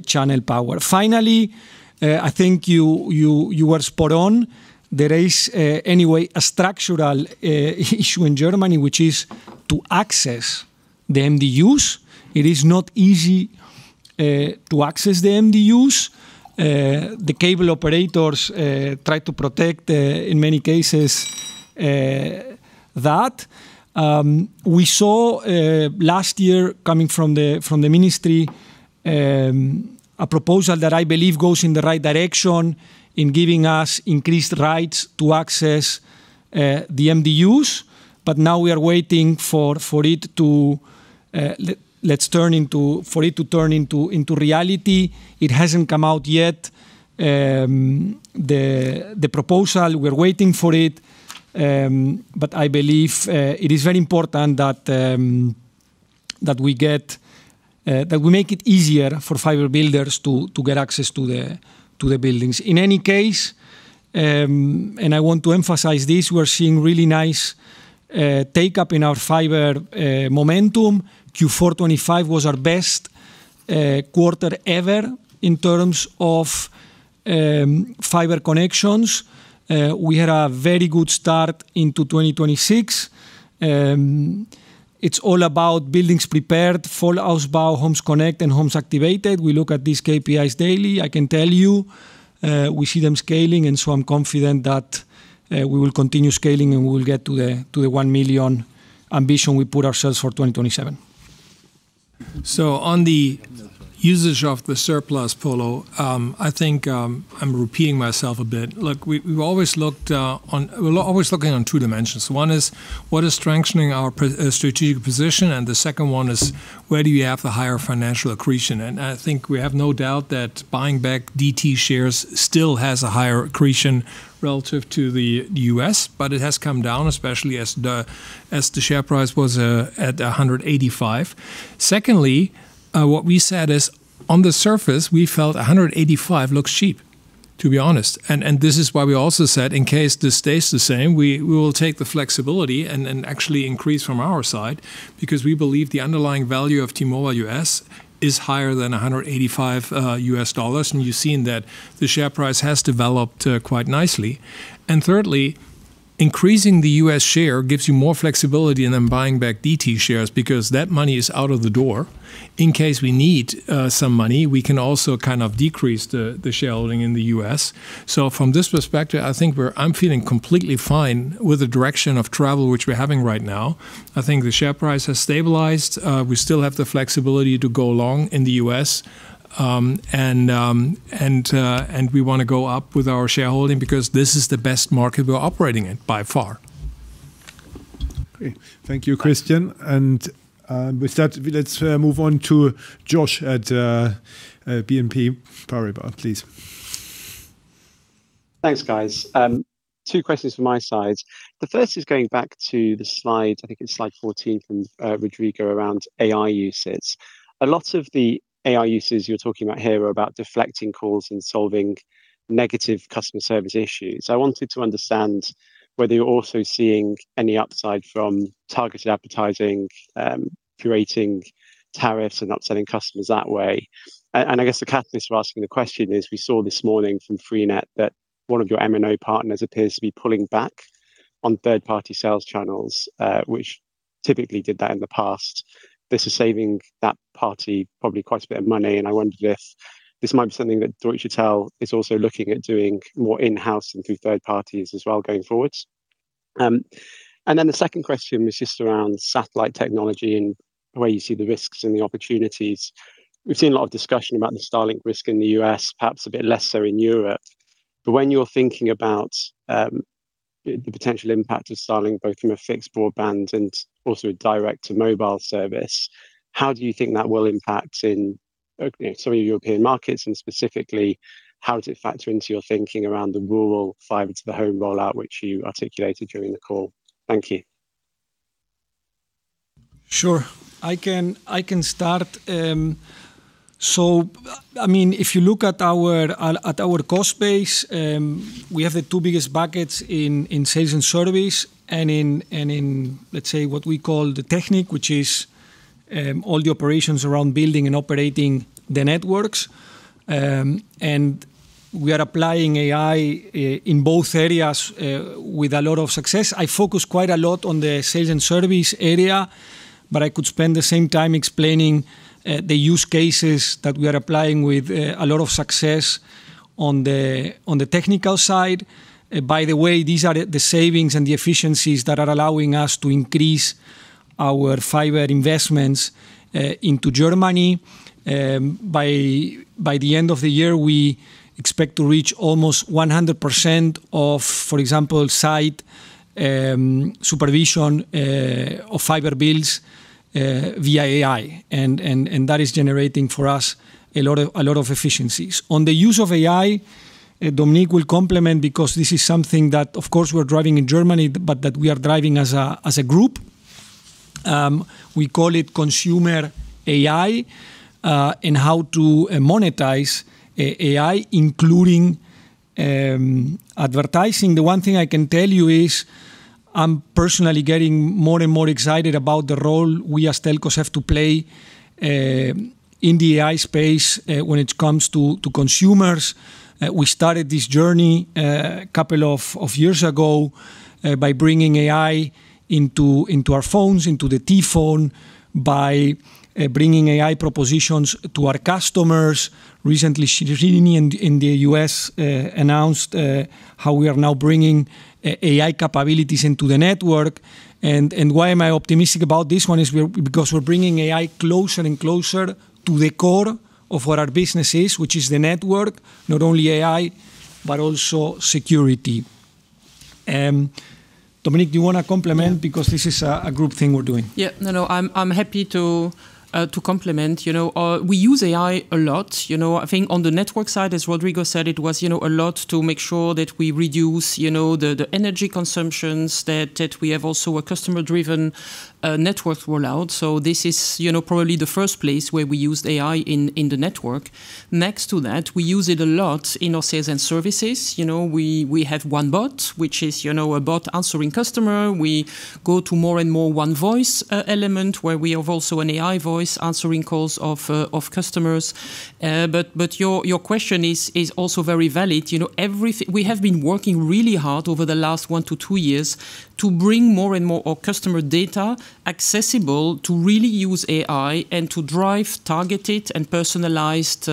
channel power. Finally, I think you were spot on. There is, anyway, a structural issue in Germany, which is to access the MDUs. It is not easy to access the MDUs. The cable operators try to protect the, in many cases, that. We saw last year coming from the ministry, a proposal that I believe goes in the right direction in giving us increased rights to access the MDUs. Now we are waiting for it to turn into reality. It hasn't come out yet. The proposal, we're waiting for it. I believe it is very important that we get that we make it easier for fiber builders to get access to the buildings. In any case, I want to emphasize this, we are seeing really nice take-up in our fiber momentum. Q4 2025 was our best quarter ever in terms of fiber connections. We had a very good start into 2026. It's all about buildings prepared, full house build, Homes Connect, and homes activated. We look at these KPIs daily. I can tell you, we see them scaling, and so I'm confident that, we will continue scaling, and we will get to the 1 million ambition we put ourselves for 2027. On the usage of the surplus, Polo, I think I'm repeating myself a bit. Look, we've always looked on two dimensions. One is: what is strengthening our strategic position? The second one is: where do you have the higher financial accretion? I think we have no doubt that buying back DT shares still has a higher accretion relative to the U.S., but it has come down, especially as the share price was at 185. Secondly, what we said is, on the surface, we felt 185 looks cheap, to be honest. This is why we also said in case this stays the same, we will take the flexibility and actually increase from our side because we believe the underlying value of T-Mobile U.S. is higher than $185 U.S. dollars, and you've seen that the share price has developed quite nicely. Thirdly, increasing the U.S. share gives you more flexibility in then buying back DT shares because that money is out of the door. In case we need some money, we can also kind of decrease the shareholding in the US. From this perspective, I think I'm feeling completely fine with the direction of travel which we're having right now. I think the share price has stabilized. We still have the flexibility to go along in the U.S. We wanna go up with our shareholding because this is the best market we're operating in by far. Great. Thank you, Christian. With that, let's move on to Josh at BNP Paribas, please. Thanks, guys. Two questions from my side. The first is going back to the slide, I think it's slide 14 from Rodrigo, around AI usage. A lot of the AI uses you're talking about here are about deflecting calls and solving negative customer service issues. I wanted to understand whether you're also seeing any upside from targeted advertising, curating tariffs and upselling customers that way. I guess the catalyst for asking the question is, we saw this morning from Freenet that one of your MNO partners appears to be pulling back on third-party sales channels, which typically did that in the past. This is saving that party probably quite a bit of money, and I wondered if this might be something that Deutsche Telekom is also looking at doing more in-house and through third parties as well going forwards. Then the second question was just around satellite technology and where you see the risks and the opportunities. We've seen a lot of discussion about the Starlink risk in the U.S., perhaps a bit lesser in Europe. When you're thinking about the potential impact of Starlink, both from a fixed broadband and also a direct-to-mobile service, how do you think that will impact in some of the European markets? Specifically, how does it factor into your thinking around the rural fiber to the home rollout, which you articulated during the call? Thank you. Sure. I can start. I mean, if you look at our cost base, we have the two biggest buckets in sales and service and in, let's say, what we call the technique, which is all the operations around building and operating the networks. We are applying AI in both areas with a lot of success. I focus quite a lot on the sales and service area, but I could spend the same time explaining the use cases that we are applying with a lot of success on the technical side. By the way, these are the savings and the efficiencies that are allowing us to increase our fiber investments into Germany. By the end of the year, we expect to reach almost 100% of, for example, site supervision of fiber builds via AI. That is generating for us a lot of efficiencies. On the use of AI, Dominique will complement because this is something that, of course, we're driving in Germany, but that we are driving as a group. We call it consumer AI and how to monetize AI, including advertising. The one thing I can tell you is I'm personally getting more and more excited about the role we as telcos have to play in the AI space when it comes to consumers. We started this journey, a couple of years ago, by bringing AI into our phones, into the T Phone, by bringing AI propositions to our customers. Recently, Srini Gopalan in the U.S. announced how we are now bringing AI capabilities into the network. Why am I optimistic about this one is because we're bringing AI closer and closer to the core of what our business is, which is the network, not only AI, but also security. Dominique, do you want to complement? This is a group thing we're doing. Yeah. No, no, I'm happy to complement. You know, we use AI a lot. You know, I think on the network side, as Rodrigo said, it was, you know, a lot to make sure that we reduce, you know, the energy consumptions, that we have also a customer-driven network rollout. This is, you know, probably the first place where we used AI in the network. Next to that, we use it a lot in our sales and services. You know, we have one bot, which is, you know, a bot answering customer. We go to more and more one voice element, where we have also an AI voice answering calls of customers. Your question is also very valid. You know, we have been working really hard over the last one to two years to bring more and more our customer data accessible to really use AI and to drive targeted and personalized,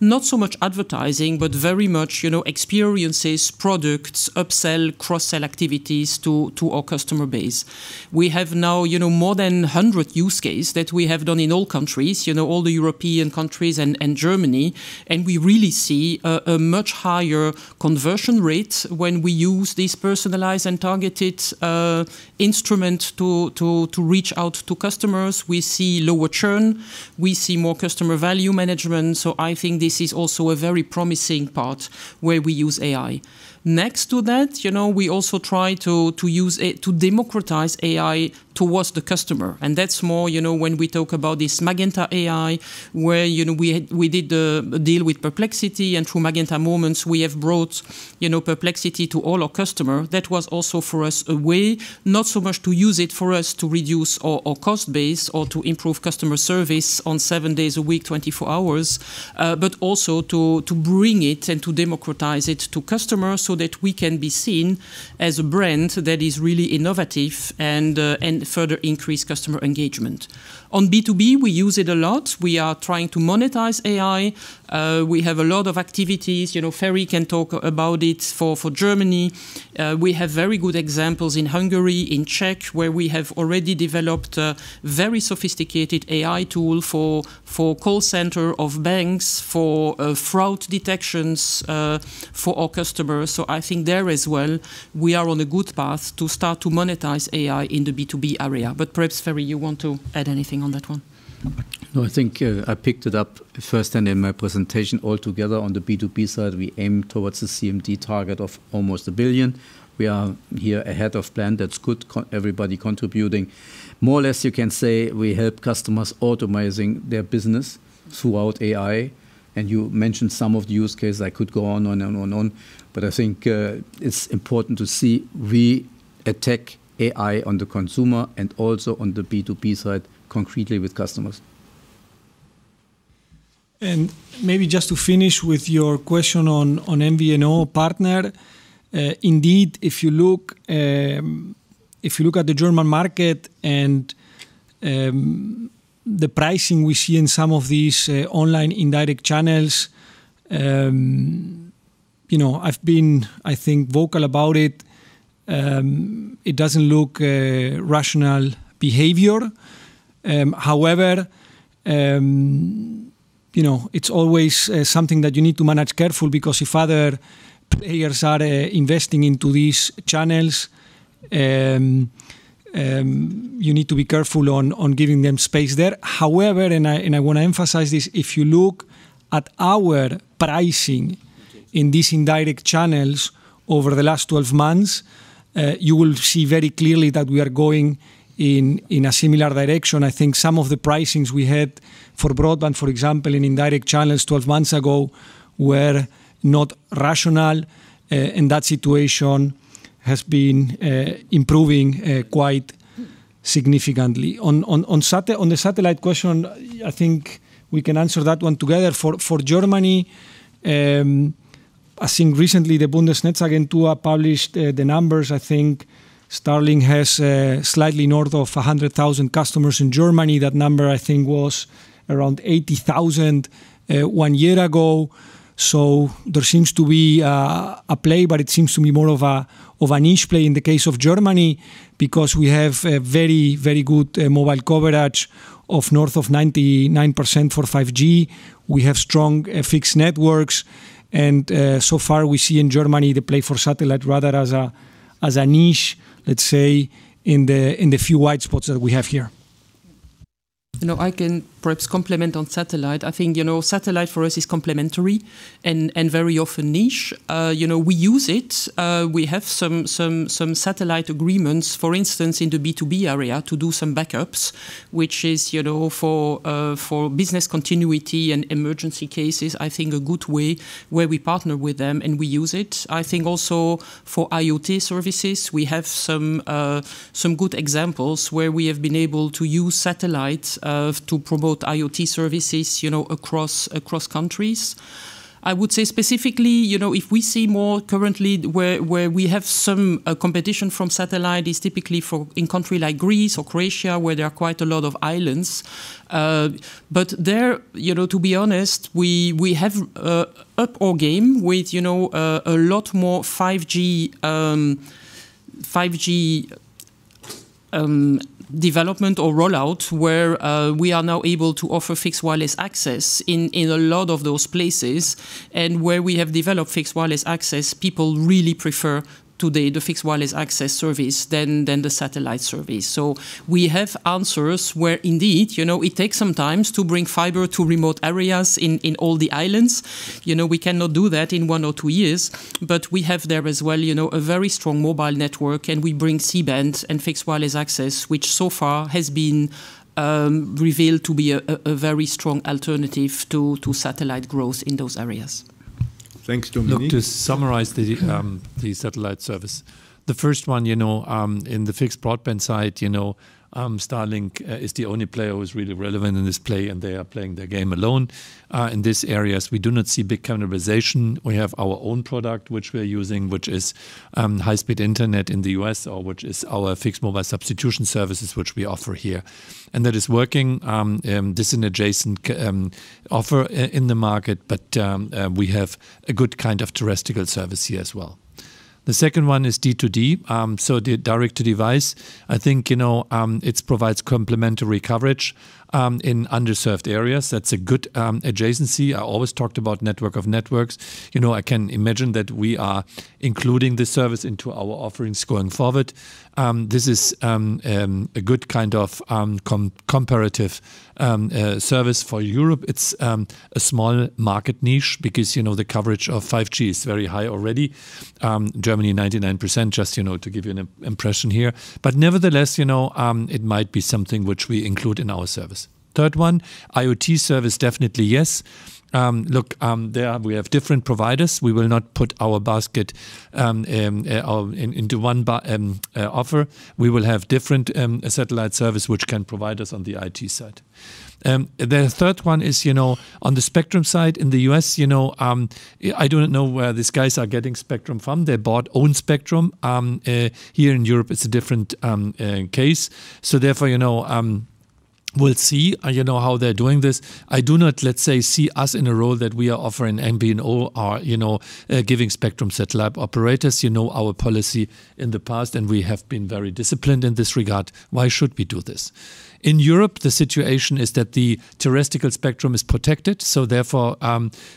not so much advertising, but very much, you know, experiences, products, upsell, cross-sell activities to our customer base. We have now, you know, more than 100 use case that we have done in all countries, you know, all the European countries and Germany, and we really see a much higher conversion rate when we use these personalized and targeted instruments to reach out to customers. We see lower churn, we see more customer value management, so I think this is also a very promising part where we use AI. Next to that, you know, we also try to use it to democratize AI towards the customer, and that's more, you know, when we talk about this Magenta AI, where, you know, we did a deal with Perplexity, and through Magenta Moments, we have brought, you know, Perplexity to all our customer. That was also for us a way, not so much to use it, for us to reduce our cost base or to improve customer service on seven days a week, 24 hours, but also to bring it and to democratize it to customers so that we can be seen as a brand that is really innovative and further increase customer engagement. On B2B, we use it a lot. We are trying to monetize AI. We have a lot of activities. You know, Ferri can talk about it for Germany. We have very good examples in Hungary, in Czech, where we have already developed a very sophisticated AI tool for call center of banks, for, fraud detections, for our customers. I think there as well, we are on a good path to start to monetize AI in the B2B area. Perhaps, Ferri, you want to add anything on that one? No, I think, I picked it up first and in my presentation altogether, on the B2B side, we aim towards the CMD target of almost 1 billion. We are here ahead of plan. That's good, everybody contributing. More or less, you can say we help customers automating their business throughout AI, you mentioned some of the use cases. I could go on and on and on, I think, it's important to see we attack AI on the consumer and also on the B2B side, concretely with customers. Maybe just to finish with your question on MVNO partner. Indeed, if you look, if you look at the German market and the pricing we see in some of these online indirect channels, you know, I've been, I think, vocal about it. It doesn't look rational behavior. However, you know, it's always something that you need to manage careful because if other players are investing into these channels, you need to be careful on giving them space there. However, and I want to emphasize this, if you look at our pricing in these indirect channels over the last 12 months, you will see very clearly that we are going in a similar direction. I think some of the pricings we had for broadband, for example, in indirect channels 12 months ago, were not rational, and that situation has been improving quite significantly. On the satellite question, I think we can answer that one together. For, for Germany, I think recently, the Bundesnetzagentur published the numbers. I think Starlink has slightly north of 100,000 customers in Germany. That number, I think, was around 80,000 one year ago. There seems to be a play, but it seems to be more of a, of a niche play in the case of Germany because we have a very, very good mobile coverage of north of 99% for 5G. We have strong fixed networks, and so far we see in Germany the play for satellite rather as a, as a niche, let's say, in the, in the few white spots that we have here. You know, I can perhaps complement on satellite. I think, you know, satellite for us is complementary and very often niche. You know, we use it. We have some satellite agreements, for instance, in the B2B area, to do some backups, which is, you know, for business continuity and emergency cases, I think a good way where we partner with them and we use it. I think also for IoT services, we have some good examples where we have been able to use satellites to promote IoT services, you know, across countries. I would say specifically, you know, if we see more currently where we have some competition from satellite is typically for in country like Greece or Croatia, where there are quite a lot of islands. There, you know, to be honest, we have upped our game with, you know, a lot more 5G development or rollout, where we are now able to offer fixed wireless access in a lot of those places. Where we have developed fixed wireless access, people really prefer today the fixed wireless access service than the satellite service. We have answers where indeed, you know, it takes some time to bring fiber to remote areas in all the islands. You know, we cannot do that in one or two years, but we have there as well, you know, a very strong mobile network, and we bring C-band and fixed wireless access, which so far has been revealed to be a very strong alternative to satellite growth in those areas. Thanks, Dominique. Look, to summarize the satellite service. The first one, in the fixed broadband side, Starlink is the only player who is really relevant in this play, they are playing their game alone. In these areas, we do not see big cannibalization. We have our own product, which we are using, which is high-speed internet in the U.S., or which is our fixed mobile substitution services, which we offer here. That is working. This is an adjacent offer in the market, but we have a good kind of terrestrial service here as well. The second one is D2D, so the direct-to-device. I think it provides complementary coverage in underserved areas. That's a good adjacency. I always talked about network of networks. You know, I can imagine that we are including this service into our offerings going forward. This is a good kind of comparative service for Europe. It's a small market niche because, you know, the coverage of 5G is very high already. Germany, 99%, just, you know, to give you an impression here. Nevertheless, you know, it might be something which we include in our service. Third one, IoT service, definitely yes. Look, there we have different providers. We will not put our basket into one offer. We will have different satellite service, which can provide us on the IoT side. The third one is, you know, on the spectrum side, in the U.S., you know, I do not know where these guys are getting spectrum from. They bought own spectrum. Here in Europe, it's a different case. Therefore, you know, we'll see, you know, how they're doing this. I do not, let's say, see us in a role that we are offering and being all our, you know, giving spectrum satellite operators. You know, our policy in the past, and we have been very disciplined in this regard. Why should we do this? In Europe, the situation is that the terrestrial spectrum is protected, so therefore,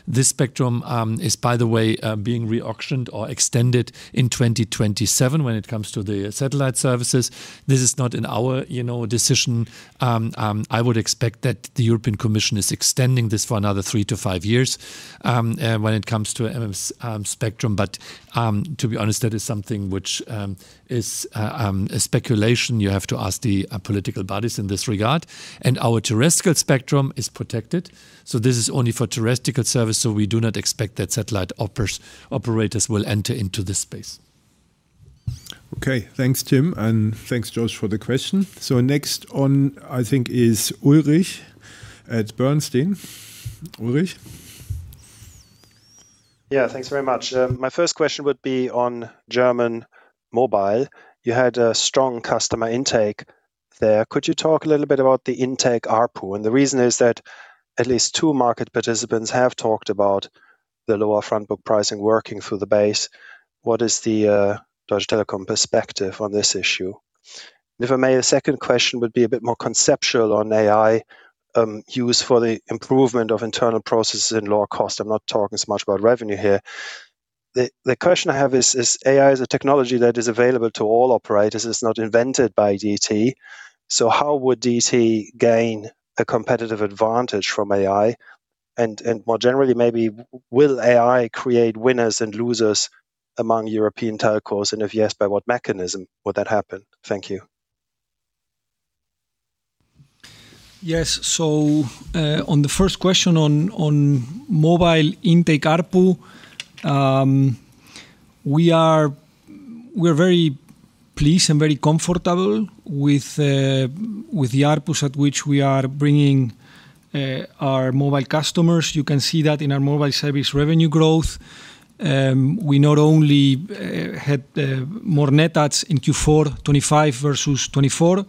this spectrum is, by the way, being re-auctioned or extended in 2027 when it comes to the satellite services. This is not in our, you know, decision. I would expect that the European Commission is extending this for another three to five years when it comes to spectrum. To be honest, that is something which is a speculation. You have to ask the political bodies in this regard. Our terrestrial spectrum is protected, so this is only for terrestrial service, so we do not expect that satellite operators will enter into this space. Okay. Thanks, Tim, and thanks, Josh, for the question. Next on, I think, is Ulrich at Bernstein. Ulrich? Yeah, thanks very much. My first question would be on German mobile. You had a strong customer intake there. Could you talk a little bit about the intake ARPU? The reason is that at least two market participants have talked about the lower front book pricing working through the base. What is the Deutsche Telekom perspective on this issue? If I may, a second question would be a bit more conceptual on AI use for the improvement of internal processes and lower cost. I'm not talking as much about revenue here. The question I have is: AI is a technology that is available to all operators, it's not invented by DT, so how would DT gain a competitive advantage from AI? More generally, maybe will AI create winners and losers among European telcos? If yes, by what mechanism would that happen? Thank you. Yes. On the first question on mobile intake ARPU, we're very pleased and very comfortable with the ARPUs at which we are bringing our mobile customers. You can see that in our mobile service revenue growth. We not only had more net adds in Q4 2025 versus 2024,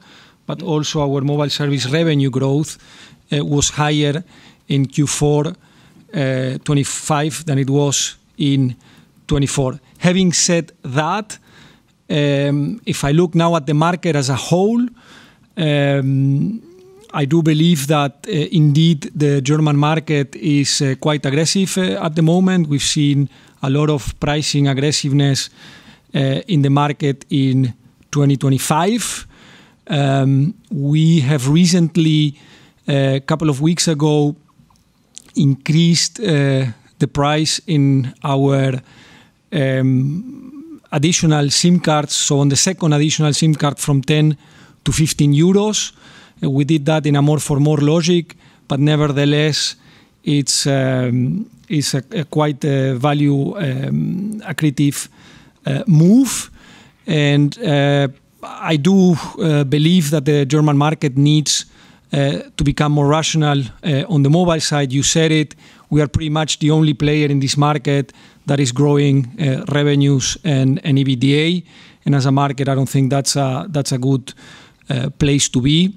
but also our mobile service revenue growth was higher in Q4 2025 than it was in 2024. Having said that, if I look now at the market as a whole, I do believe that indeed, the German market is quite aggressive at the moment. We've seen a lot of pricing aggressiveness in the market in 2025. We have recently, a couple of weeks ago, increased the price in our additional SIM cards, so on the second additional SIM card from 10-15 euros. We did that in a more for more logic, but nevertheless, it's a quite value accretive move. I do believe that the German market needs to become more rational. On the mobile side, you said it, we are pretty much the only player in this market that is growing revenues and EBITDA. As a market, I don't think that's a good place to be.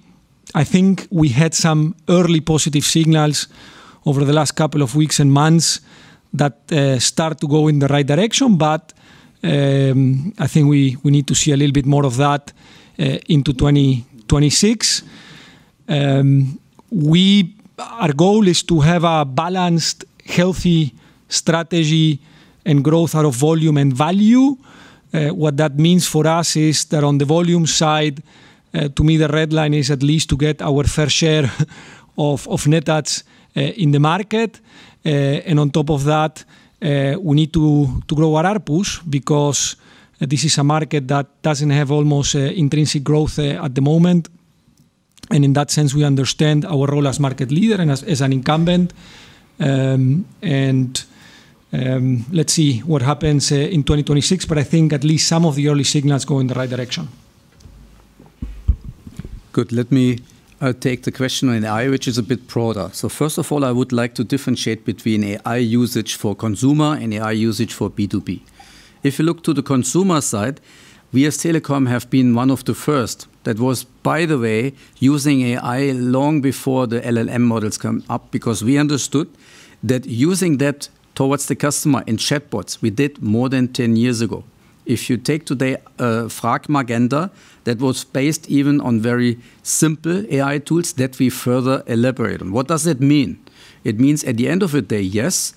I think we had some early positive signals over the last couple of weeks and months that start to go in the right direction, but I think we need to see a little bit more of that into 2026. Our goal is to have a balanced, healthy strategy and growth out of volume and value. What that means for us is that on the volume side, to me, the red line is at least to get our fair share of net adds in the market. On top of that, we need to grow our ARPU because this is a market that doesn't have almost intrinsic growth at the moment. In that sense, we understand our role as market leader and as an incumbent. Let's see what happens in 2026, but I think at least some of the early signals go in the right direction. Good. Let me take the question on AI, which is a bit broader. First of all, I would like to differentiate between AI usage for consumer and AI usage for B2B. If you look to the consumer side, we as Telekom have been one of the first that was, by the way, using AI long before the LLM models come up, because we understood that using that towards the customer in chatbots, we did more than 10 years ago. If you take today, Frag Magenta, that was based even on very simple AI tools that we further elaborate on. What does it mean? It means at the end of the day, yes,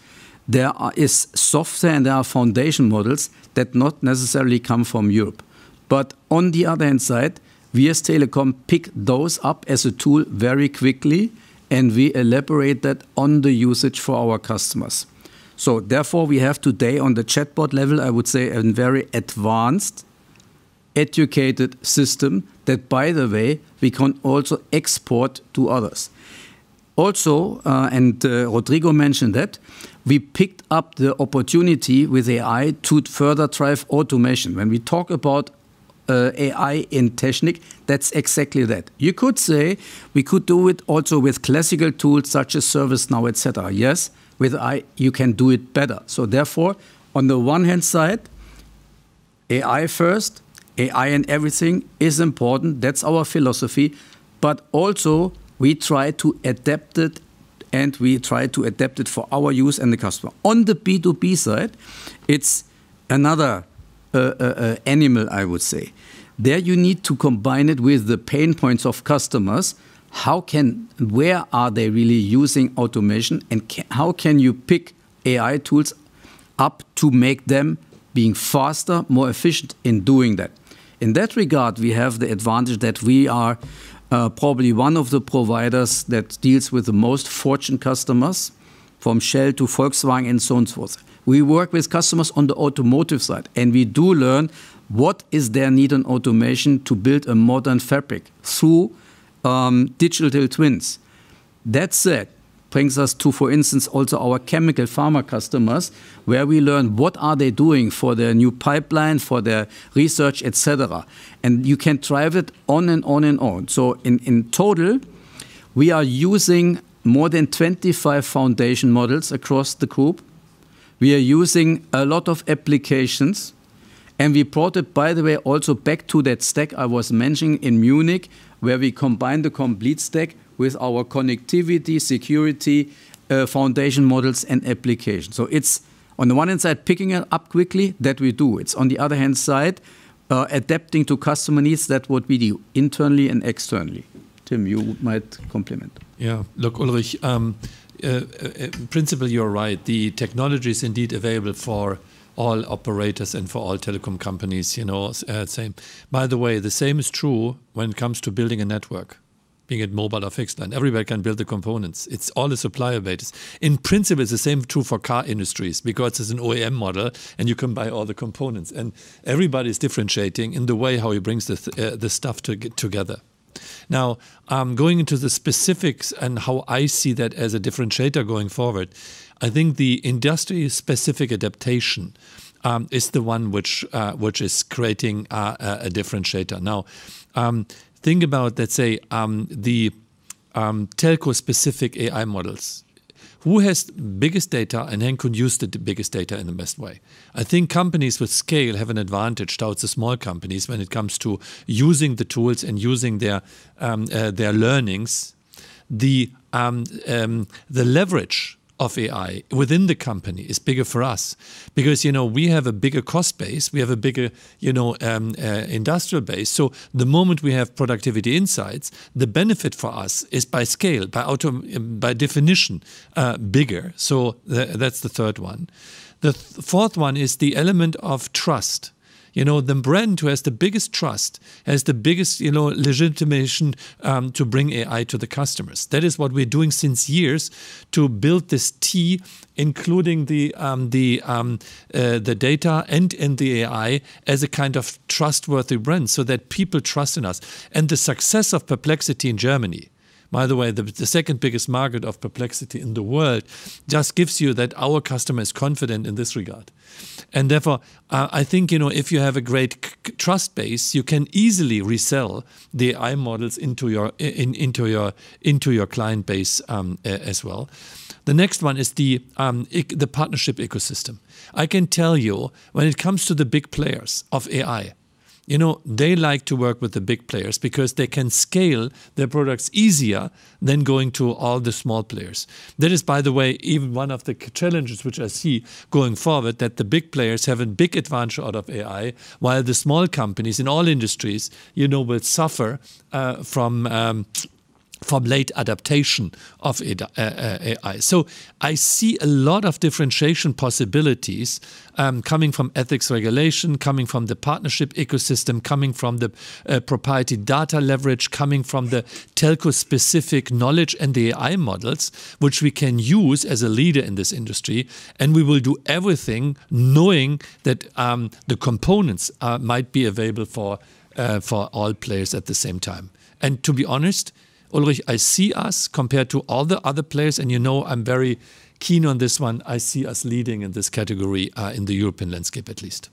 there is software and there are foundation models that not necessarily come from Europe. On the other hand side, we as Telekom pick those up as a tool very quickly, and we elaborate that on the usage for our customers. Therefore, we have today, on the chatbot level, I would say, a very advanced, educated system that, by the way, we can also export to others. Also, Rodrigo mentioned that, we picked up the opportunity with AI to further drive automation. When we talk about AI in Technik, that's exactly that. You could say we could do it also with classical tools such as ServiceNow, et cetera. Yes, with AI, you can do it better. Therefore, on the one hand side, AI first, AI and everything is important. That's our philosophy. Also we try to adapt it, and we try to adapt it for our use and the customer. On the B2B side, it's another animal, I would say. There, you need to combine it with the pain points of customers. Where are they really using automation, and how can you pick AI tools up to make them being faster, more efficient in doing that? In that regard, we have the advantage that we are probably one of the providers that deals with the most Fortune customers, from Shell to Volkswagen and so on and so forth. We work with customers on the automotive side, and we do learn what is their need on automation to build a modern fabric through digital twins. That said, brings us to, for instance, also our chemical pharma customers, where we learn what are they doing for their new pipeline, for their research, et cetera. You can drive it on and on and on. In total, we are using more than 25 foundation models across the group. We are using a lot of applications, and we brought it, by the way, also back to that stack I was mentioning in Munich, where we combine the complete stack with our connectivity, security, foundation models, and applications. It's on the one hand side, picking it up quickly that we do. It's on the other hand side, adapting to customer needs, that what we do internally and externally. Tim, you might complement. Yeah. Look, Ulrich, in principle, you're right. The technology is indeed available for all operators and for all telecom companies, you know. By the way, the same is true when it comes to building a network, being it mobile or fixed line. Everybody can build the components. It's all the supplier bases. In principle, it's the same true for car industries because it's an OEM model and you can buy all the components, and everybody's differentiating in the way how he brings the stuff together. Now, going into the specifics and how I see that as a differentiator going forward, I think the industry-specific adaptation is the one which is creating a differentiator. Now, think about, let's say, the, telco-specific AI models. Who has biggest data and then could use the biggest data in the best way? I think companies with scale have an advantage towards the small companies when it comes to using the tools and using their leverage of AI within the company is bigger for us because, you know, we have a bigger cost base, we have a bigger, you know, industrial base. The moment we have productivity insights, the benefit for us is by scale, by definition bigger. That's the third one. The fourth one is the element of trust. You know, the brand who has the biggest trust, has the biggest, you know, legitimation to bring AI to the customers. That is what we're doing since years to build this T, including the data and the AI as a kind of trustworthy brand so that people trust in us. The success of Perplexity in Germany, by the way, the second biggest market of Perplexity in the world, just gives you that our customer is confident in this regard. Therefore, I think, you know, if you have a great trust base, you can easily resell the AI models into your client base as well. The next one is the partnership ecosystem. I can tell you, when it comes to the big players of AI, you know, they like to work with the big players because they can scale their products easier than going to all the small players. That is, by the way, even one of the challenges which I see going forward, that the big players have a big advantage out of AI, while the small companies in all industries, you know, will suffer from late adaptation of it, AI. I see a lot of differentiation possibilities coming from ethics regulation, coming from the partnership ecosystem, coming from the propriety data leverage, coming from the telco-specific knowledge and the AI models, which we can use as a leader in this industry, and we will do everything knowing that the components might be available for all players at the same time. to be honest, Ulrich, I see us, compared to all the other players, and you know, I'm very keen on this one, I see us leading in this category, in the European landscape at least.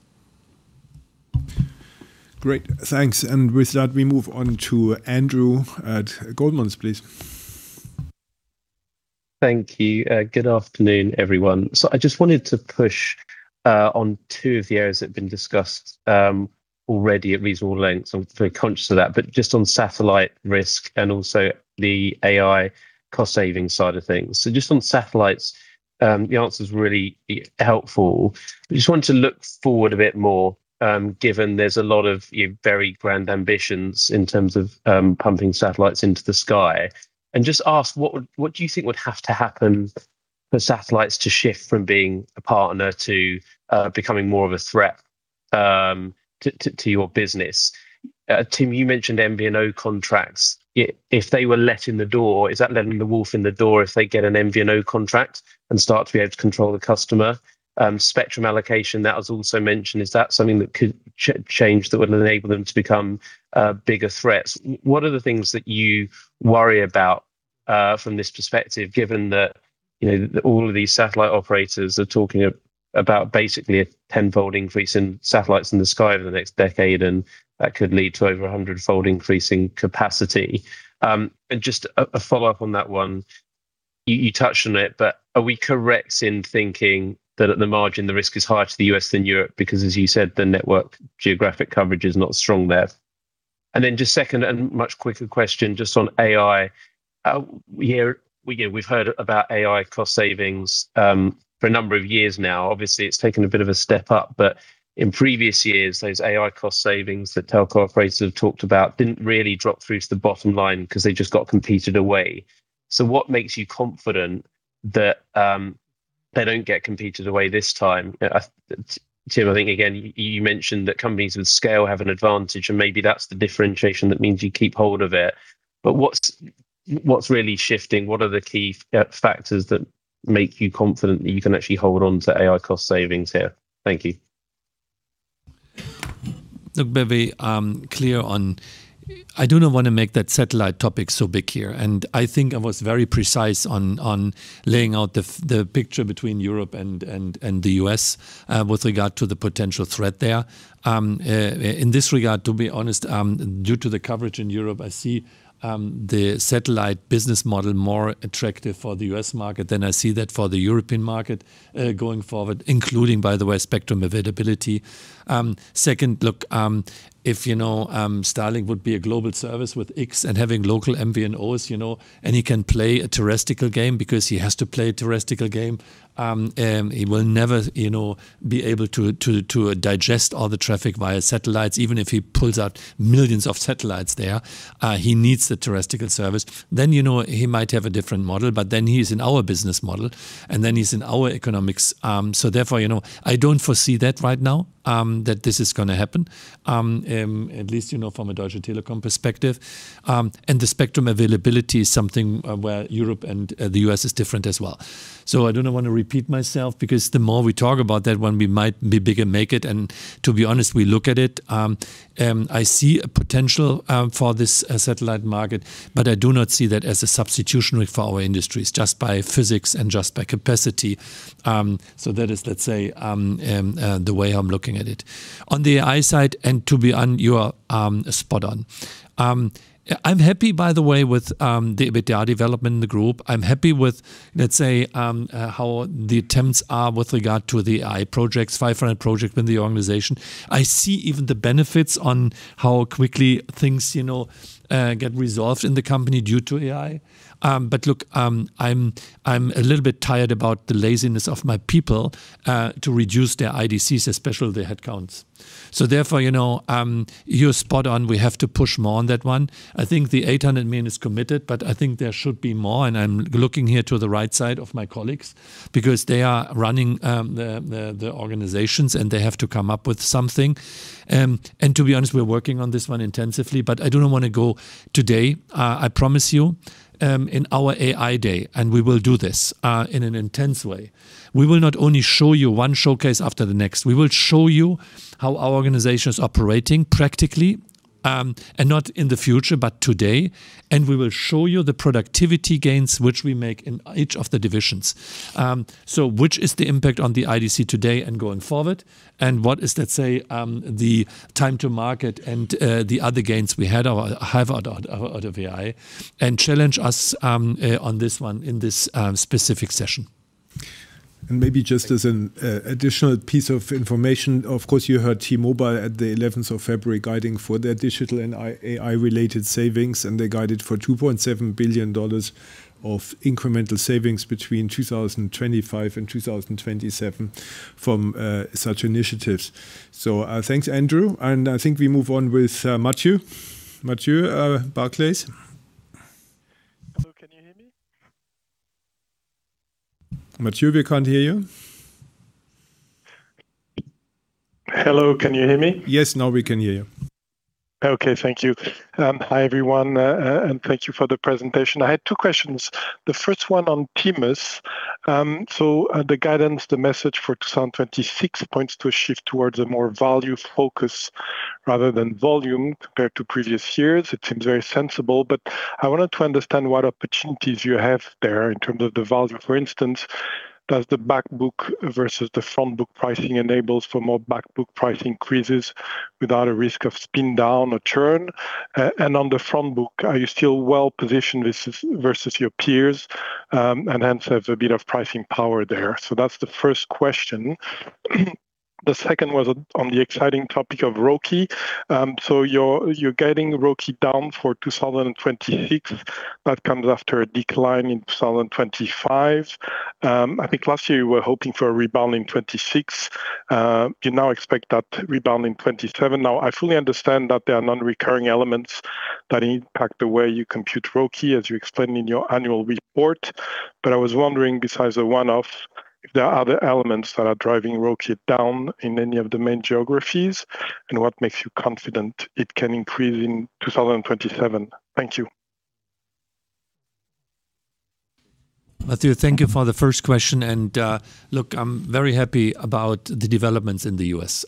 Great, thanks. With that, we move on to Andrew at Goldman's, please. Thank you. Good afternoon, everyone. I just wanted to push on two of the areas that have been discussed already at reasonable length. I'm very conscious of that. Just on satellite risk and also the AI cost-saving side of things. Just on satellites, the answer's really helpful. I just wanted to look forward a bit more, given there's a lot of your very grand ambitions in terms of pumping satellites into the sky, and just ask: what do you think would have to happen for satellites to shift from being a partner to becoming more of a threat to your business? Tim, you mentioned MVNO contracts. If they were let in the door, is that letting the wolf in the door, if they get an MVNO contract and start to be able to control the customer? Spectrum allocation, that was also mentioned, is that something that could change, that would enable them to become bigger threats? What are the things that you worry about from this perspective, given that, you know, all of these satellite operators are talking about basically a 10-fold increase in satellites in the sky over the next decade, and that could lead to over a 100-fold increase in capacity? Just a follow-up on that one. You touched on it, but are we correct in thinking that at the margin, the risk is higher to the U.S. than Europe? Because, as you said, the network geographic coverage is not strong there. just second, and much quicker question, just on AI. We've heard about AI cost savings for a number of years now. Obviously, it's taken a bit of a step up, but in previous years, those AI cost savings that telco operators have talked about didn't really drop through to the bottom line because they just got competed away. What makes you confident that they don't get competed away this time? Tim, I think again, you mentioned that companies with scale have an advantage, and maybe that's the differentiation that means you keep hold of it. What's really shifting? What are the key factors that make you confident that you can actually hold on to AI cost savings here? Thank you. Look, very clear on, I do not want to make that satellite topic so big here, and I think I was very precise on laying out the picture between Europe and the U.S. with regard to the potential threat there. In this regard, to be honest, due to the coverage in Europe, I see the satellite business model more attractive for the U.S. market than I see that for the European market going forward, including, by the way, spectrum availability. Second, look, if you know, Starlink would be a global service with X and having local MVNOs, you know, and he can play a terrestrial game because he has to play a terrestrial game, he will never, you know, be able to digest all the traffic via satellites, even if he pulls out millions of satellites there. He needs the terrestrial service. You know, he might have a different model, but then he's in our business model, and then he's in our economics. You know, I don't foresee that right now, that this is gonna happen, at least, you know, from a Deutsche Telekom perspective. The spectrum availability is something where Europe and the U.S. is different as well. I do not want to repeat myself, because the more we talk about that one, we might be big and make it, and to be honest, we look at it. I see a potential for this satellite market, but I do not see that as a substitution for our industries, just by physics and just by capacity. That is, let's say, the way I'm looking at it. On the AI side, you are spot on. I'm happy, by the way, with the, with our development in the group. I'm happy with, let's say, how the attempts are with regard to the AI projects, five-front project in the organization. I see even the benefits on how quickly things, you know, get resolved in the company due to AI. Look, I'm a little bit tired about the laziness of my people to reduce their IDCs, especially their headcounts. Therefore, you know, you're spot on. We have to push more on that one. I think the 800 million is committed, but I think there should be more, and I'm looking here to the right side of my colleagues, because they are running the organizations, and they have to come up with something. To be honest, we're working on this one intensively, but I do not want to go today. I promise you, in our AI Day, we will do this in an intense way. We will not only show you one showcase after the next, we will show you how our organization is operating practically. Not in the future, but today. We will show you the productivity gains which we make in each of the divisions. Which is the impact on the IDC today and going forward, and what is, let's say, the time to market and the other gains we had or have out of AI, challenge us on this one in this specific session. Maybe just as an additional piece of information, of course, you heard T-Mobile at the 11th of February guiding for their digital and AI-related savings. They guided for $2.7 billion of incremental savings between 2025 and 2027 from such initiatives. Thanks, Andrew, I think we move on with Mathieu. Mathieu, Barclays. Hello, can you hear me? Mathieu, we can't hear you. Hello, can you hear me? Yes, now we can hear you. Okay. Thank you. Hi, everyone, thank you for the presentation. I had two questions. The first one on T-Mobile. The guidance, the message for 2026 points to a shift towards a more value focus rather than volume compared to previous years. It seems very sensible. I wanted to understand what opportunities you have there in terms of the value. For instance, does the backbook versus the frontbook pricing enables for more backbook price increases without a risk of spin down or churn? On the frontbook, are you still well positioned versus your peers and hence have a bit of pricing power there? That's the first question. The second was on the exciting topic of ROCE. You're getting ROCE down for 2026. That comes after a decline in 2025. I think last year you were hoping for a rebound in 2026. you now expect that rebound in 2027. Now, I fully understand that there are non-recurring elements that impact the way you compute ROCE, as you explained in your annual report. I was wondering, besides the one-off, if there are other elements that are driving ROCE down in any of the main geographies, and what makes you confident it can increase in 2027? Thank you. Mathieu, thank you for the first question. Look, I'm very happy about the developments in the U.S.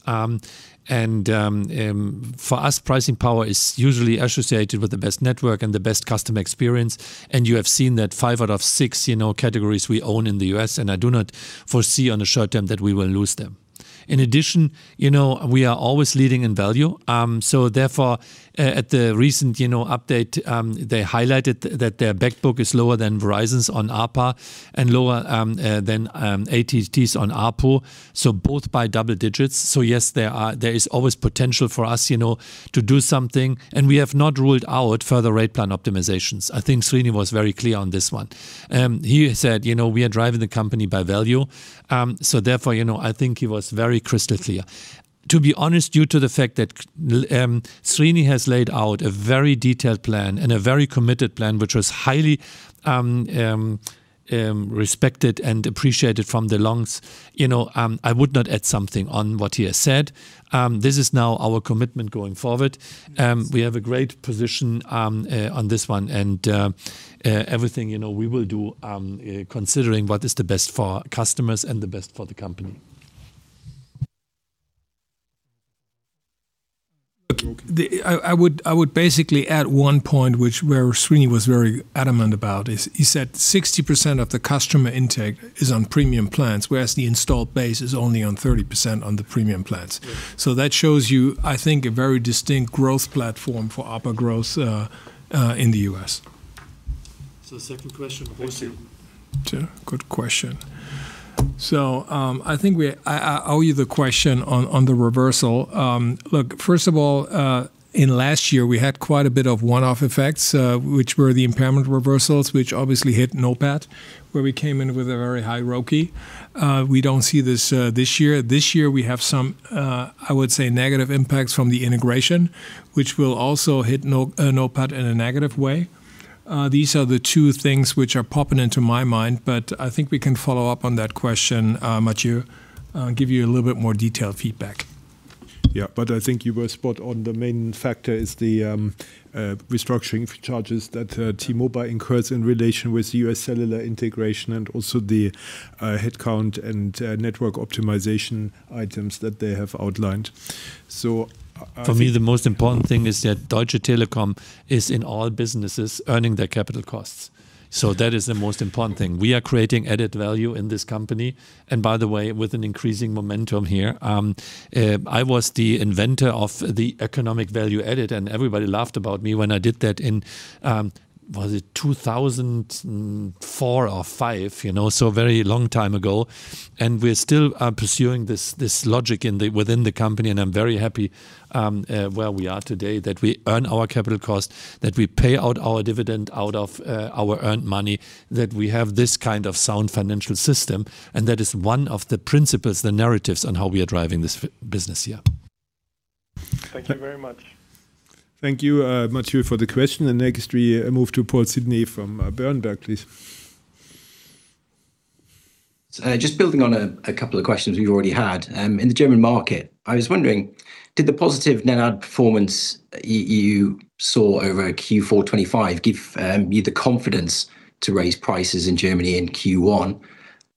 For us, pricing power is usually associated with the best network and the best customer experience, and you have seen that five out of six, you know, categories we own in the U.S., and I do not foresee on the short term that we will lose them. In addition, you know, we are always leading in value. Therefore, at the recent, you know, update, they highlighted that their backbook is lower than Verizon's on ARPA and lower than AT&T's on ARPU, both by double digits. Yes, there is always potential for us, you know, to do something, and we have not ruled out further rate plan optimizations. I think Srini was very clear on this one. He said: "You know, we are driving the company by value." Therefore, you know, I think he was very crystal clear. To be honest, due to the fact that Srini has laid out a very detailed plan and a very committed plan, which was highly respected and appreciated from the longs, you know, I would not add something on what he has said. This is now our commitment going forward. We have a great position on this one, and everything, you know, we will do considering what is the best for customers and the best for the company. I would basically add one point, where Srini was very adamant about, is he said 60% of the customer intake is on premium plans, whereas the installed base is only on 30% on the premium plans. Right. That shows you, I think, a very distinct growth platform for ARPA growth, in the U.S. The second question, Mathieu? Good question. I owe you the question on the reversal. Look, first of all, in last year, we had quite a bit of one-off effects, which were the impairment reversals, which obviously hit NOPAT, where we came in with a very high ROCE. We don't see this this year. This year we have some, I would say, negative impacts from the integration, which will also hit NOPAT in a negative way. These are the two things which are popping into my mind, I think we can follow up on that question, Mathieu, give you a little bit more detailed feedback. Yeah, I think you were spot on. The main factor is the restructuring charges that T-Mobile incurs in relation with UScellular integration and also the headcount and network optimization items that they have outlined. For me, the most important thing is that Deutsche Telekom is, in all businesses, earning their capital costs. That is the most important thing. We are creating added value in this company, and by the way, with an increasing momentum here. I was the inventor of the economic value added, and everybody laughed about me when I did that in 2004 or 2005? You know, a very long time ago. We're still pursuing this logic within the company, and I'm very happy where we are today, that we earn our capital costs, that we pay out our dividend out of our earned money, that we have this kind of sound financial system. That is one of the principles, the narratives on how we are driving this business. Yeah. Thank you very much. Thank you, Mathieu, for the question. Next, we move to Paul Sidney from Berenberg, please. Just building on a couple of questions we've already had. In the German market, I was wondering, did the positive net add performance you saw over Q4 2025 give you the confidence to raise prices in Germany in Q1?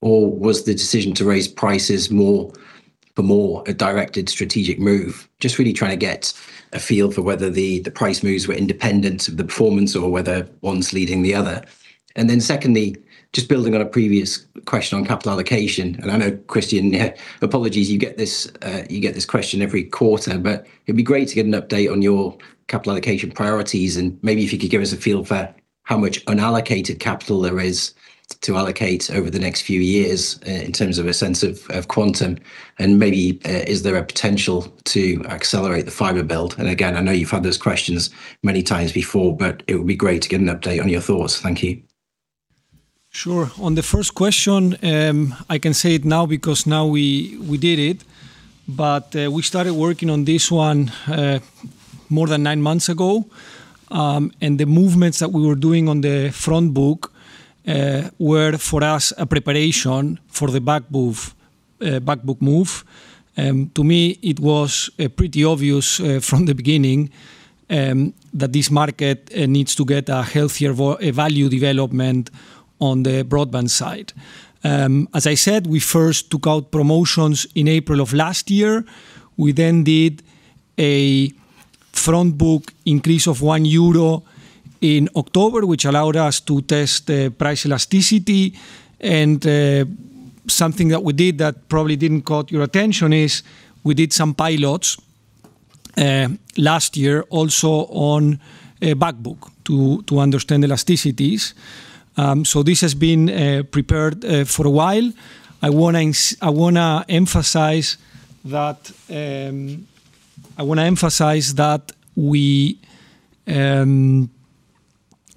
Or was the decision to raise prices more a directed strategic move? Just really trying to get a feel for whether the price moves were independent of the performance or whether one's leading the other. Secondly, just building on a previous question on capital allocation, and I know Christian, apologies, you get this question every quarter. it'd be great to get an update on your capital allocation priorities, and maybe if you could give us a feel for how much unallocated capital there is to allocate over the next few years, in terms of a sense of quantum, and maybe is there a potential to accelerate the fiber build? Again, I know you've had those questions many times before, but it would be great to get an update on your thoughts. Thank you. Sure. On the first question, I can say it now because now we did it, we started working on this one more than nine months ago. The movements that we were doing on the front book were, for us, a preparation for the back book move. To me, it was pretty obvious from the beginning that this market needs to get a healthier value development on the broadband side. As I said, we first took out promotions in April of last year. We then did a front book increase of 1 euro in October, which allowed us to test the price elasticity. Something that we did that probably didn't caught your attention is, we did some pilots last year, also on a back book to understand elasticities. This has been prepared for a while. I want to emphasize that we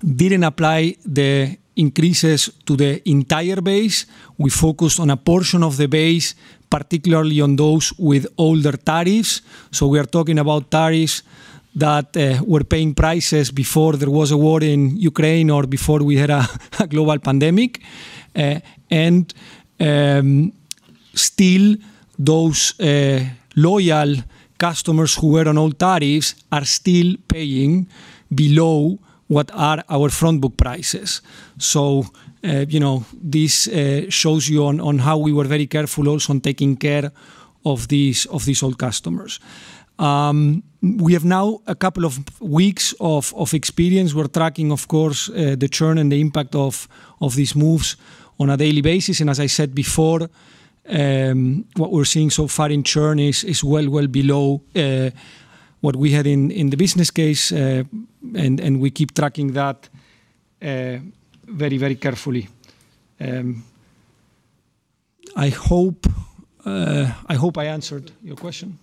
didn't apply the increases to the entire base. We focused on a portion of the base, particularly on those with older tariffs. We are talking about tariffs that were paying prices before there was a war in Ukraine or before we had a global pandemic. Still, those loyal customers who were on old tariffs are still paying below what are our front book prices. You know, this shows you on how we were very careful also on taking care of these old customers. We have now a couple of weeks of experience. We're tracking, of course, the churn and the impact of these moves on a daily basis. As I said before, what we're seeing so far in churn is well below what we had in the business case, and we keep tracking that very carefully. I hope I answered your question.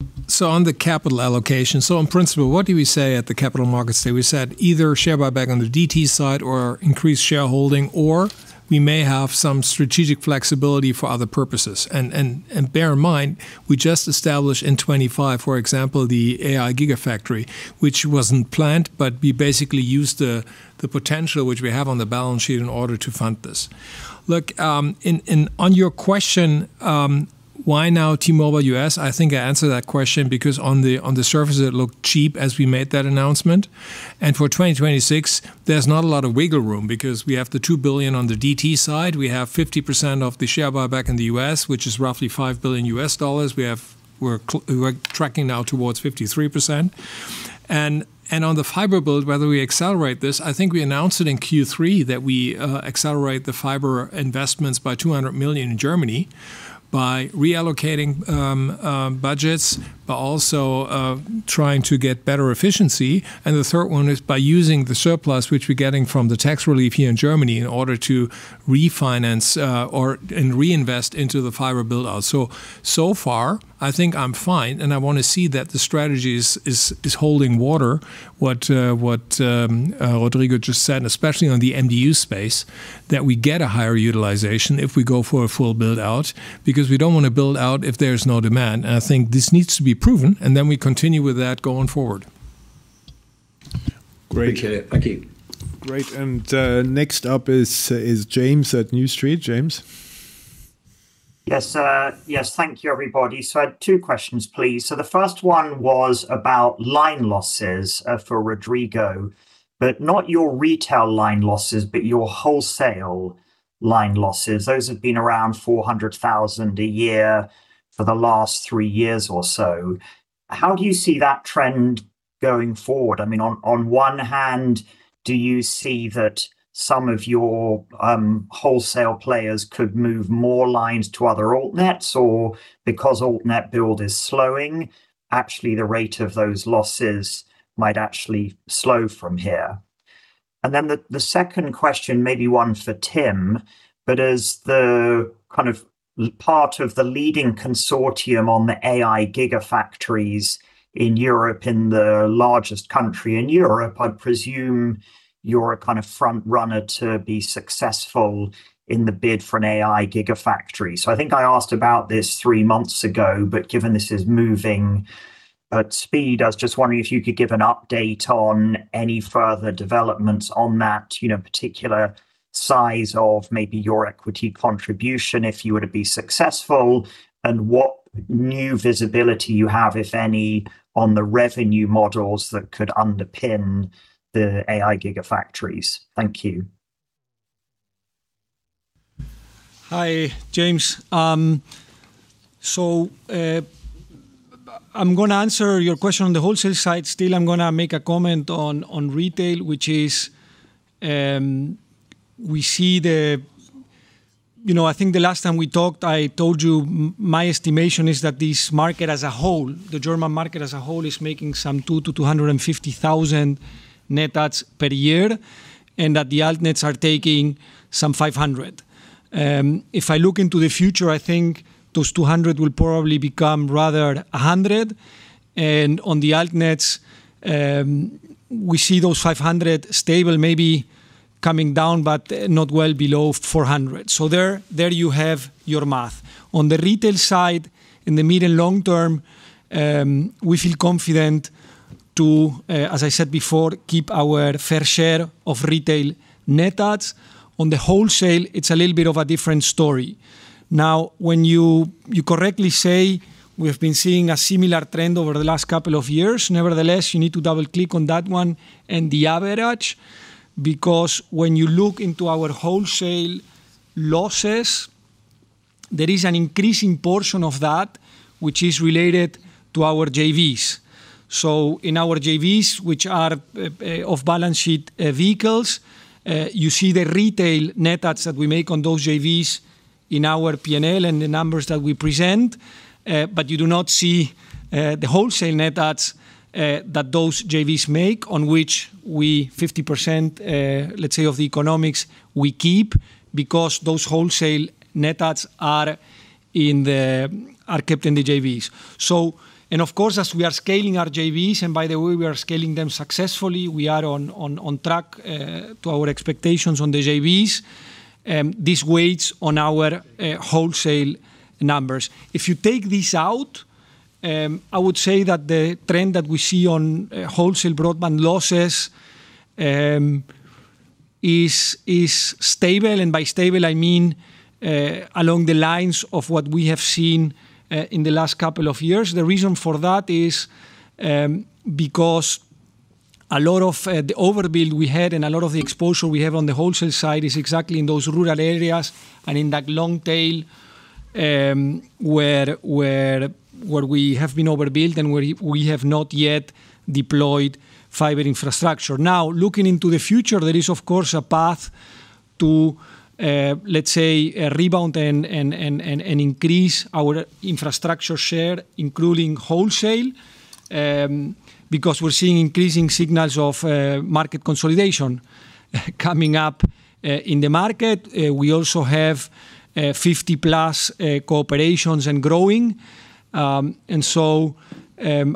Okay. On the capital allocation, on principle, what do we say at the Capital Markets Day? We said, either share buyback on the DT side or increase shareholding, or we may have some strategic flexibility for other purposes. Bear in mind, we just established in 2025, for example, the AI Gigafactory, which wasn't planned, but we basically used the potential which we have on the balance sheet in order to fund this. Look, and on your question, why now T-Mobile U.S.? I think I answered that question because on the surface, it looked cheap as we made that announcement. For 2026, there's not a lot of wiggle room because we have the $2 billion on the DT side, we have 50% of the share buyback in the U.S., which is roughly $5 billion U.S. dollars. We're tracking now towards 53%. On the fiber build, whether we accelerate this, I think we announced it in Q3, that we accelerate the fiber investments by 200 million in Germany by reallocating budgets, but also trying to get better efficiency. The third one is by using the surplus, which we're getting from the tax relief here in Germany, in order to refinance or, and reinvest into the fiber build-out. So far, I think I'm fine, and I want to see that the strategy is holding water. What Rodrigo just said, and especially on the MDU space, that we get a higher utilization if we go for a full build-out, because we don't want to build out if there's no demand. I think this needs to be proven, and then we continue with that going forward. Great. Okay. Thank you. Great. Next up is James at New Street. James? Yes, thank you, everybody. I had two questions, please. The first one was about line losses for Rodrigo, but not your retail line losses, but your wholesale line losses. Those have been around 400,000 a year for the last three years or so. How do you see that trend going forward? On 1 hand, do you see that some of your wholesale players could move more lines to other Altnets, or because Altnet build is slowing, actually, the rate of those losses might actually slow from here? Then the second question, may be one for Tim, but as the kind of part of the leading consortium on the AI Gigafactories in Europe, in the largest country in Europe, I presume you're a kind of front runner to be successful in the bid for an AI Gigafactory. I think I asked about this three months ago, but given this is moving at speed, I was just wondering if you could give an update on any further developments on that, you know, particular size of maybe your equity contribution, if you were to be successful, and what new visibility you have, if any, on the revenue models that could underpin the AI Gigafactories. Thank you. Hi, James. I'm gonna answer your question on the wholesale side. Still, I'm gonna make a comment on retail, which is, You know, we see. I think the last time we talked, I told you my estimation is that this market as a whole, the German market as a whole, is making some 200,000 to 250,000 net adds per year, and that the Altnets are taking some 500. If I look into the future, I think those 200 will probably become rather 100, and on the Altnets, we see those 500 stable maybe coming down, but not well below 400. There you have your math. On the retail side, in the mid and long term, we feel confident to, as I said before, keep our fair share of retail net adds. On the wholesale, it's a little bit of a different story. When you correctly say we've been seeing a similar trend over the last couple of years. Nevertheless, you need to double-click on that one and the average, because when you look into our wholesale losses, there is an increasing portion of that which is related to our JVs. In our JVs, which are off-balance sheet vehicles, you see the retail net adds that we make on those JVs in our P&L and the numbers that we present, but you do not see the wholesale net adds that those JVs make, on which we 50%, let's say, of the economics we keep, because those wholesale net adds are kept in the JVs. And of course, as we are scaling our JVs, and by the way, we are scaling them successfully, we are on track to our expectations on the JVs, this weighs on our wholesale numbers. If you take this out, I would say that the trend that we see on wholesale broadband losses is stable. By stable, I mean, along the lines of what we have seen in the last couple of years. The reason for that is because a lot of the overbuild we had and a lot of the exposure we have on the wholesale side is exactly in those rural areas and in that long tail where we have been overbilled and where we have not yet deployed fiber infrastructure. Looking into the future, there is of course, a path to, let's say, a rebound and increase our infrastructure share, including wholesale, because we're seeing increasing signals of market consolidation coming up in the market. We also have 50+ cooperations and growing.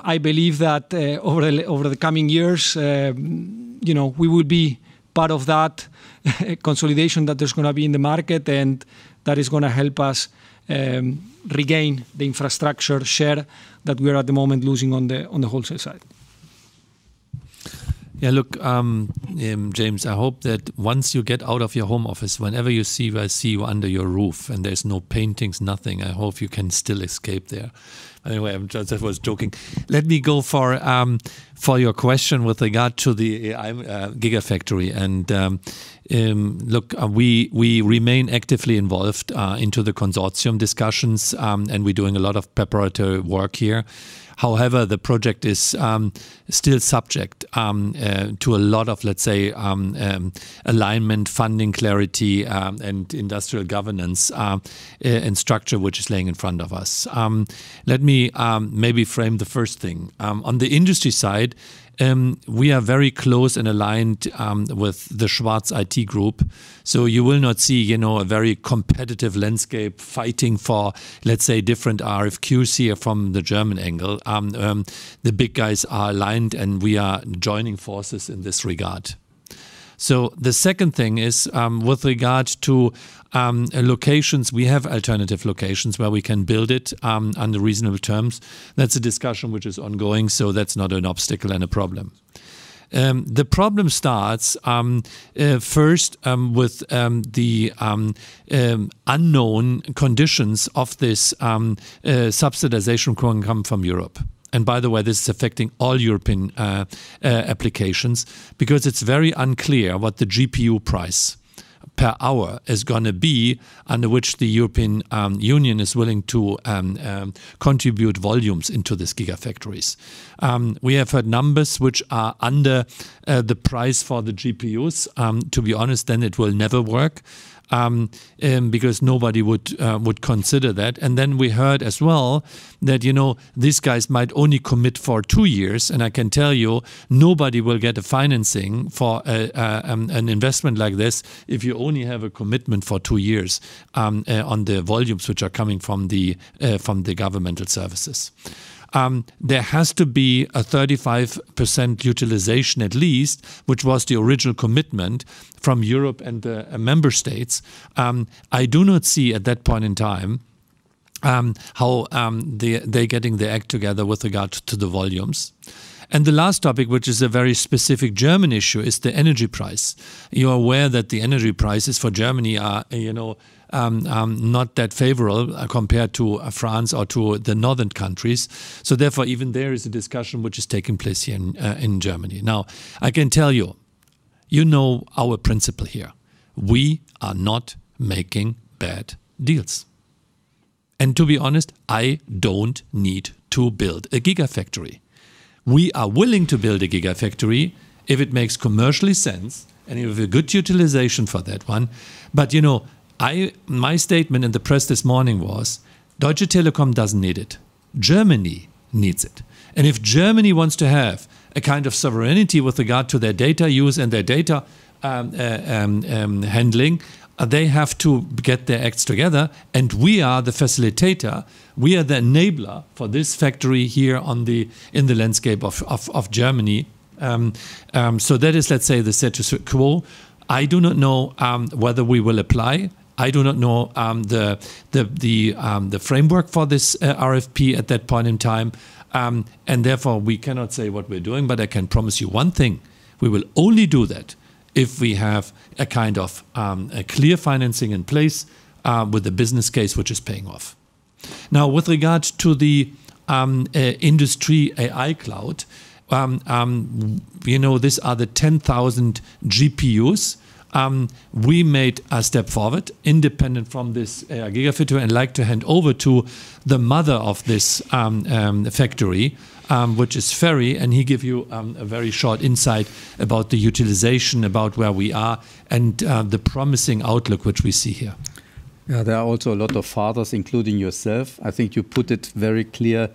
I believe that, over the coming years, you know, we will be part of that consolidation that is gonna be in the market, and that is gonna help us regain the infrastructure share that we are at the moment losing on the wholesale side. Yeah, look, James, I hope that once you get out of your home office, whenever you see, I see you under your roof, and there's no paintings, nothing. I hope you can still escape there. Anyway, Just was joking. Let me go for your question with regard to the AI Gigafactory, and look, we remain actively involved into the consortium discussions, and we're doing a lot of preparatory work here. However, the project is still subject to a lot of, let's say, alignment, funding, clarity, and industrial governance and structure, which is laying in front of us. Let me maybe frame the first thing. On the industry side, we are very close and aligned with the Schwarz IT Group, so you will not see, you know, a very competitive landscape fighting for, let's say, different RFQs here from the German angle. The big guys are aligned, and we are joining forces in this regard. The second thing is, with regard to locations, we have alternative locations where we can build it under reasonable terms. That's a discussion which is ongoing, so that's not an obstacle and a problem. The problem starts first with the unknown conditions of this subsidization come from Europe. By the way, this is affecting all European applications, because it's very unclear what the GPU price per hour is gonna be, under which the European Union is willing to contribute volumes into this Gigafactories. We have heard numbers which are under the price for the GPUs. To be honest, then it will never work because nobody would consider that. Then we heard as well that, you know, these guys might only commit for two years, and I can tell you, nobody will get a financing for an investment like this if you only have a commitment for two years on the volumes which are coming from the governmental services. There has to be a 35% utilization at least, which was the original commitment from Europe and the member states. I do not see at that point in time how they're getting their act together with regard to the volumes. The last topic, which is a very specific German issue, is the energy price. You are aware that the energy prices for Germany are, you know, not that favorable compared to France or to the northern countries. Therefore, even there is a discussion which is taking place here in Germany. You know our principle here: we are not making bad deals. To be honest, I don't need to build a Gigafactory. We are willing to build a Gigafactory if it makes commercially sense and we have a good utilization for that one. You know, My statement in the press this morning was: Deutsche Telekom doesn't need it, Germany needs it. If Germany wants to have a kind of sovereignty with regard to their data use and their data handling, they have to get their acts together, and we are the facilitator. We are the enabler for this factory here in the landscape of Germany. That is, let's say, the status quo. I do not know whether we will apply. I do not know the framework for this RFP at that point in time. Therefore, we cannot say what we're doing, but I can promise you one thing: we will only do that if we have a kind of a clear financing in place, with a business case which is paying off. With regard to the Industrial AI Cloud, you know, these are the 10,000 GPUs. We made a step forward independent from this Gigafactory, and I'd like to hand over to the mother of this factory, which is Ferri, and he give you a very short insight about the utilization, about where we are, and the promising outlook which we see here. Yeah, there are also a lot of fathers, including yourself. I think you put it very clear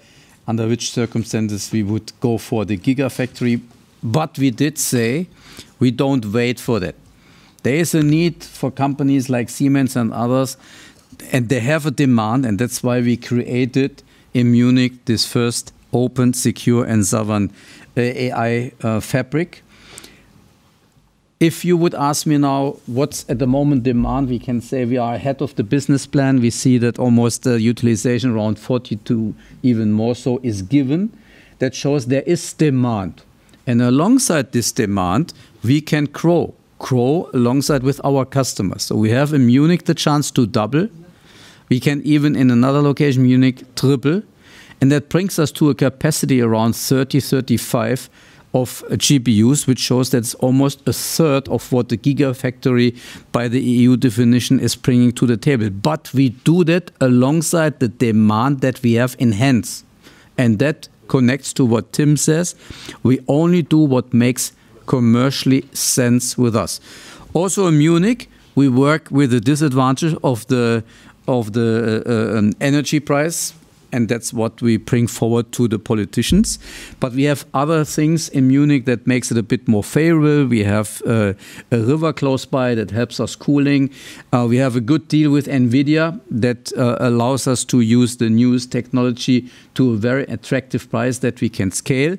under which circumstances we would go for the AI Gigafactory, but we did say we don't wait for that. There is a need for companies like Siemens and others, and they have a demand, and that's why we created in Munich, this first open, secure, and sovereign AI fabric. If you would ask me now, what's at the moment demand, we can say we are ahead of the business plan. We see that almost utilization around 42%, even more so, is given. That shows there is demand, and alongside this demand, we can grow alongside with our customers. We have in Munich the chance to double. We can even in another location, Munich, triple, that brings us to a capacity around 30-35 GPUs, which shows that's almost a third of what the Gigafactory, by the EU definition, is bringing to the table. We do that alongside the demand that we have in hands, and that connects to what Tim says: we only do what makes commercially sense with us. In Munich, we work with the disadvantage of the energy price, that's what we bring forward to the politicians. We have other things in Munich that makes it a bit more favorable. We have a river close by that helps us cooling. We have a good deal with NVIDIA that allows us to use the newest technology to a very attractive price that we can scale.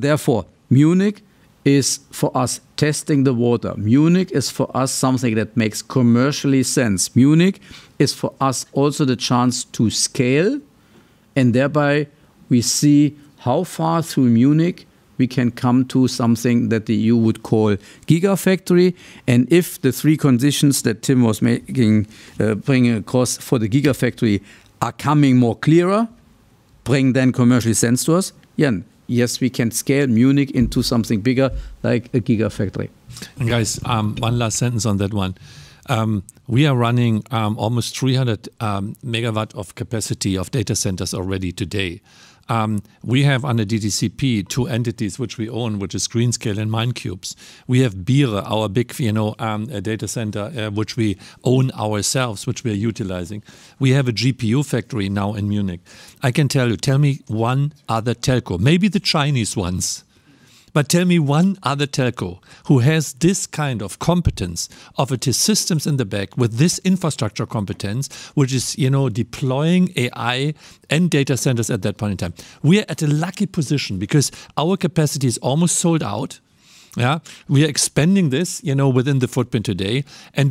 Therefore, Munich is, for us, testing the water. Munich is, for us, something that makes commercially sense. Munich is, for us, also the chance to scale, and thereby we see how far through Munich we can come to something that the EU would call Gigafactory and if the three conditions that Tim was making, bringing across for the Gigafactory are coming more clearer, bring then commercially sense to us, then, yes, we can scale Munich into something bigger, like a Gigafactory. Guys, one last sentence on that one. We are running almost 300 MW of capacity of data centers already today. We have under DTCP, two entities, which we own, which is GreenScale and maincubes. We have Biere, our big, you know, data center, which we own ourselves, which we are utilizing. We have a GPU factory now in Munich. I can tell you, tell me one other telco, maybe the Chinese ones, but tell me one other telco who has this kind of competence of IT systems in the back with this infrastructure competence, which is, you know, deploying AI and data centers at that point in time. We are at a lucky position because our capacity is almost sold out. Yeah? We are expanding this, you know, within the footprint today.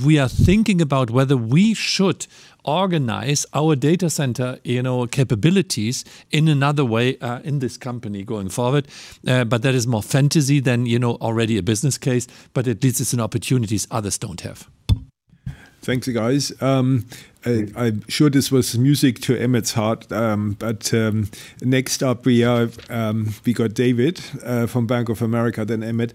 We are thinking about whether we should organize our data center, you know, capabilities in another way in this company going forward. That is more fantasy than, you know, already a business case, but at least it's an opportunities others don't have. Thank you, guys. I'm sure this was music to Emmet's heart. Next up we got David from Bank of America, then Emmet.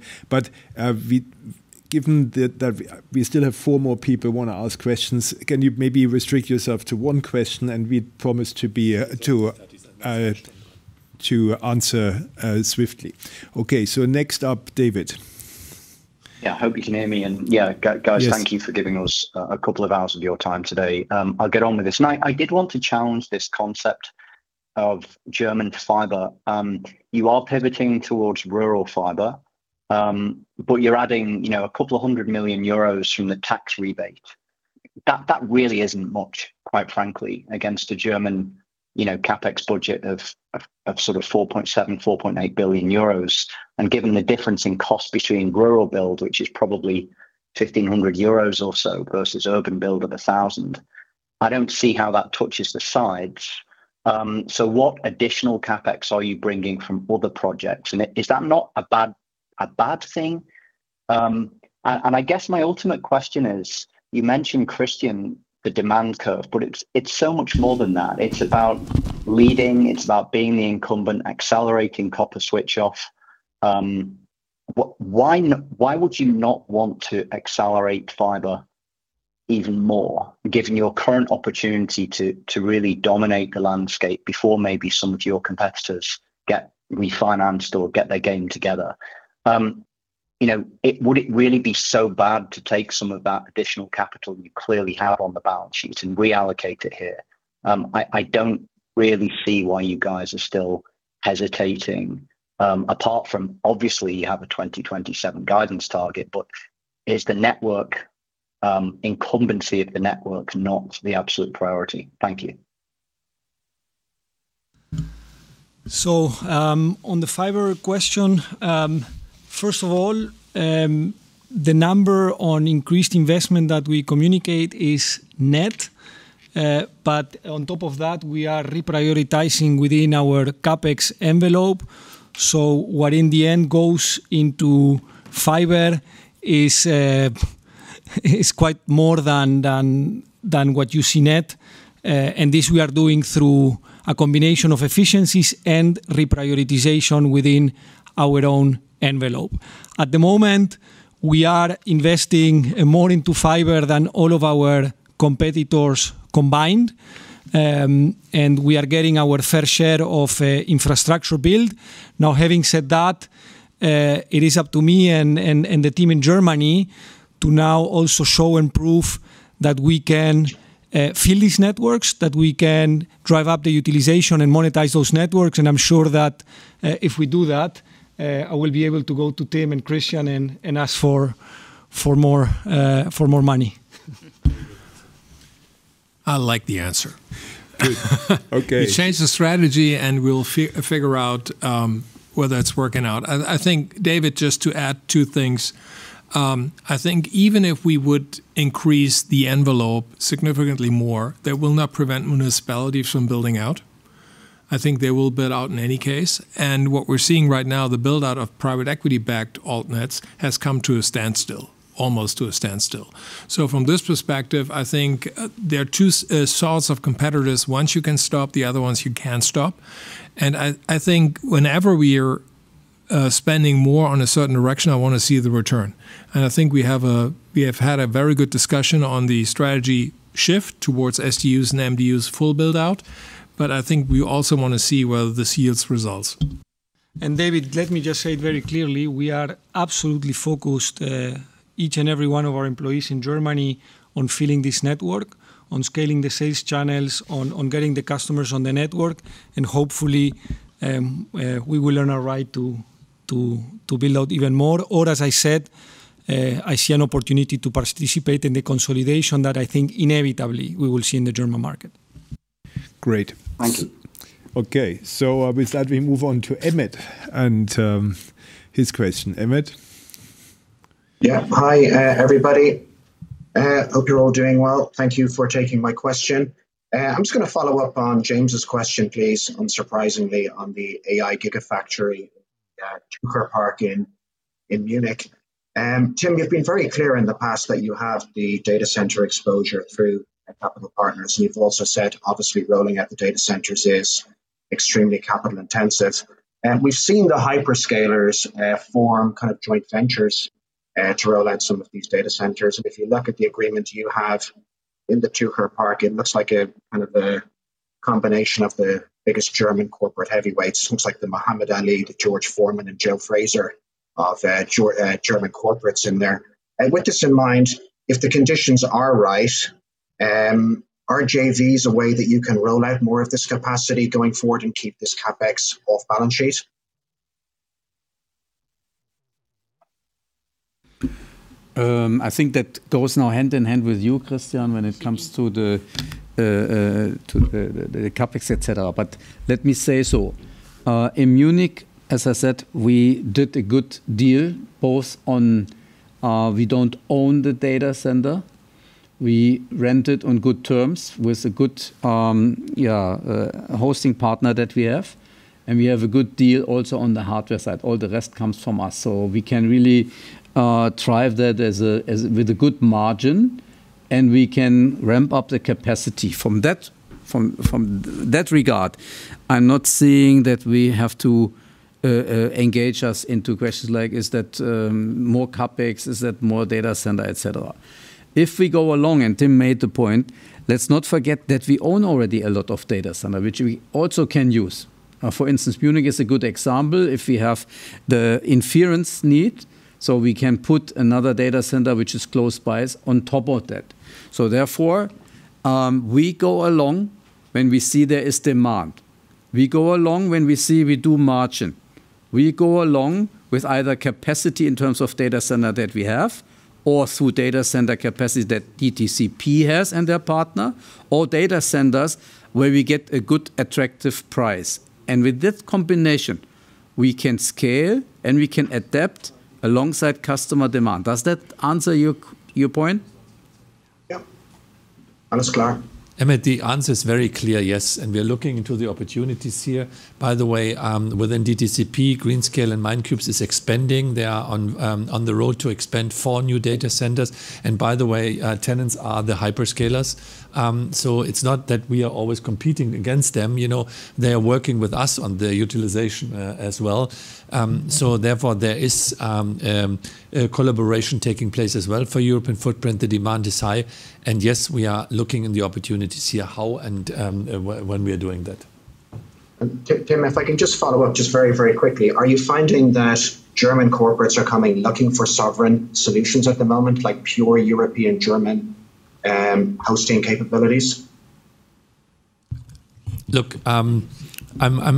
Given that we still have four more people who want to ask questions, can you maybe restrict yourself to one question, and we promise to be to answer swiftly. Next up, David. Yeah, I hope you can hear me, and yeah, guys. Yes Thank you for giving us a couple of hours of your time today. I'll get on with this. I did want to challenge this concept of German fiber. You are pivoting towards rural fiber, but you're adding, you know, 200 million euros from the tax rebate. That really isn't much, quite frankly, against a German, you know, CapEx budget of 4.7 billion-4.8 billion euros. Given the difference in cost between rural build, which is probably 1,500 euros or so, versus urban build of 1,000, I don't see how that touches the sides. What additional CapEx are you bringing from other projects? Is that not a bad thing? I guess my ultimate question is, you mentioned, Christian, the demand curve, but it's so much more than that. It's about leading, it's about being the incumbent, accelerating copper switch off. Why would you not want to accelerate fiber, even more, given your current opportunity to really dominate the landscape before maybe some of your competitors get refinanced or get their game together? You know, would it really be so bad to take some of that additional capital you clearly have on the balance sheet and reallocate it here? I don't really see why you guys are still hesitating, apart from obviously you have a 2027 guidance target, but is the network incumbency of the network not the absolute priority? Thank you. On the fiber question, first of all, the number on increased investment that we communicate is net. On top of that, we are reprioritizing within our CapEx envelope. What in the end goes into fiber is quite more than what you see net. This we are doing through a combination of efficiencies and reprioritization within our own envelope. At the moment, we are investing more into fiber than all of our competitors combined, and we are getting our fair share of infrastructure build. Having said that, it is up to me and the team in Germany to now also show and prove that we can fill these networks, that we can drive up the utilization and monetize those networks. I'm sure that, if we do that, I will be able to go to Tim and Christian and ask for more money. I like the answer. Good. Okay. We change the strategy, and we'll figure out, whether it's working out. I think, David, just to add two things, I think even if we would increase the envelope significantly more, that will not prevent municipalities from building out. I think they will build out in any case. What we're seeing right now, the build-out of private equity-backed Altnets has come to a standstill, almost to a standstill. From this perspective, I think, there are two sorts of competitors: ones you can stop, the other ones you can't stop. I think whenever we are spending more on a certain direction, I wanna see the return. I think we have had a very good discussion on the strategy shift towards SDUs and MDUs full build-out, but I think we also wanna see whether this yields results. David, let me just say very clearly, we are absolutely focused, each and every one of our employees in Germany, on filling this network, on scaling the sales channels, on getting the customers on the network, and hopefully, we will earn our right to build out even more. As I said, I see an opportunity to participate in the consolidation that I think inevitably we will see in the German market. Great. Thank you. Okay. With that, we move on to Emmet and his question. Emmet? Yeah. Hi, everybody. Hope you're all doing well. Thank you for taking my question. I'm just gonna follow up on James' question, please, unsurprisingly, on the AI Gigafactory, Tucherpark in Munich. Tim, you've been very clear in the past that you have the data center exposure through a couple of partners, and you've also said, obviously, rolling out the data centers is extremely capital intensive. We've seen the hyperscalers form kind of joint ventures to roll out some of these data centers. If you look at the agreement you have in the Tucherpark, it looks like a kind of a combination of the biggest German corporate heavyweights. Looks like the Muhammad Ali, the George Foreman and Joe Frazier of German corporates in there. With this in mind, if the conditions are right, are JVs a way that you can roll out more of this capacity going forward and keep this CapEx off balance sheet? I think that goes now hand in hand with you, Christian, when it comes to the CapEx, et cetera. Let me say so. In Munich, as I said, we did a good deal, both on, we don't own the data center. We rent it on good terms with a good hosting partner that we have, and we have a good deal also on the hardware side. All the rest comes from us. We can really drive that with a good margin, and we can ramp up the capacity. From that regard, I'm not seeing that we have to engage us into questions like, is that more CapEx? Is that more data center, et cetera? If we go along, and Tim made the point, let's not forget that we own already a lot of data center, which we also can use. For instance, Munich is a good example. If we have the inference need, we can put another data center, which is close by us, on top of that. Therefore, we go along when we see there is demand. We go along when we see we do margin. We go along with either capacity in terms of data center that we have or through data center capacity that DTCP has and their partner, or data centers where we get a good, attractive price. With this combination, we can scale, and we can adapt alongside customer demand. Does that answer your point? Yep. All is clear. Emmet, the answer is very clear, yes, and we are looking into the opportunities here. By the way, within DTCP, GreenScale and maincubes is expanding. They are on the road to expand 4 new data centers. By the way, tenants are the hyperscalers. It's not that we are always competing against them, you know? They are working with us on the utilization as well. Therefore, there is a collaboration taking place as well for European footprint. The demand is high, and yes, we are looking in the opportunities here, how and when we are doing that. Tim, if I can just follow up, just very, very quickly. Are you finding that German corporates are coming, looking for sovereign solutions at the moment, like pure European German hosting capabilities? Look, I'm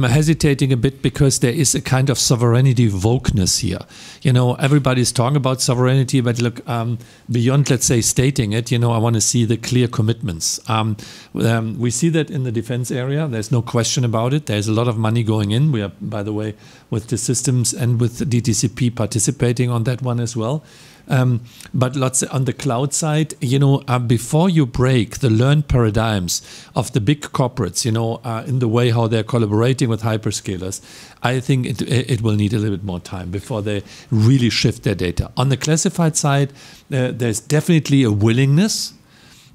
hesitating a bit because there is a kind of sovereignty wokeness here. You know, everybody's talking about sovereignty, but look, beyond, let's say, stating it, you know, I wanna see the clear commitments. We see that in the defense area, there's no question about it. There's a lot of money going in. We are, by the way, with the systems and with DTCP participating on that one as well. Let's, on the cloud side, you know, before you break the learned paradigms of the big corporates, you know, in the way how they're collaborating with hyperscalers, I think it will need a little bit more time before they really shift their data. On the classified side, there's definitely a willingness,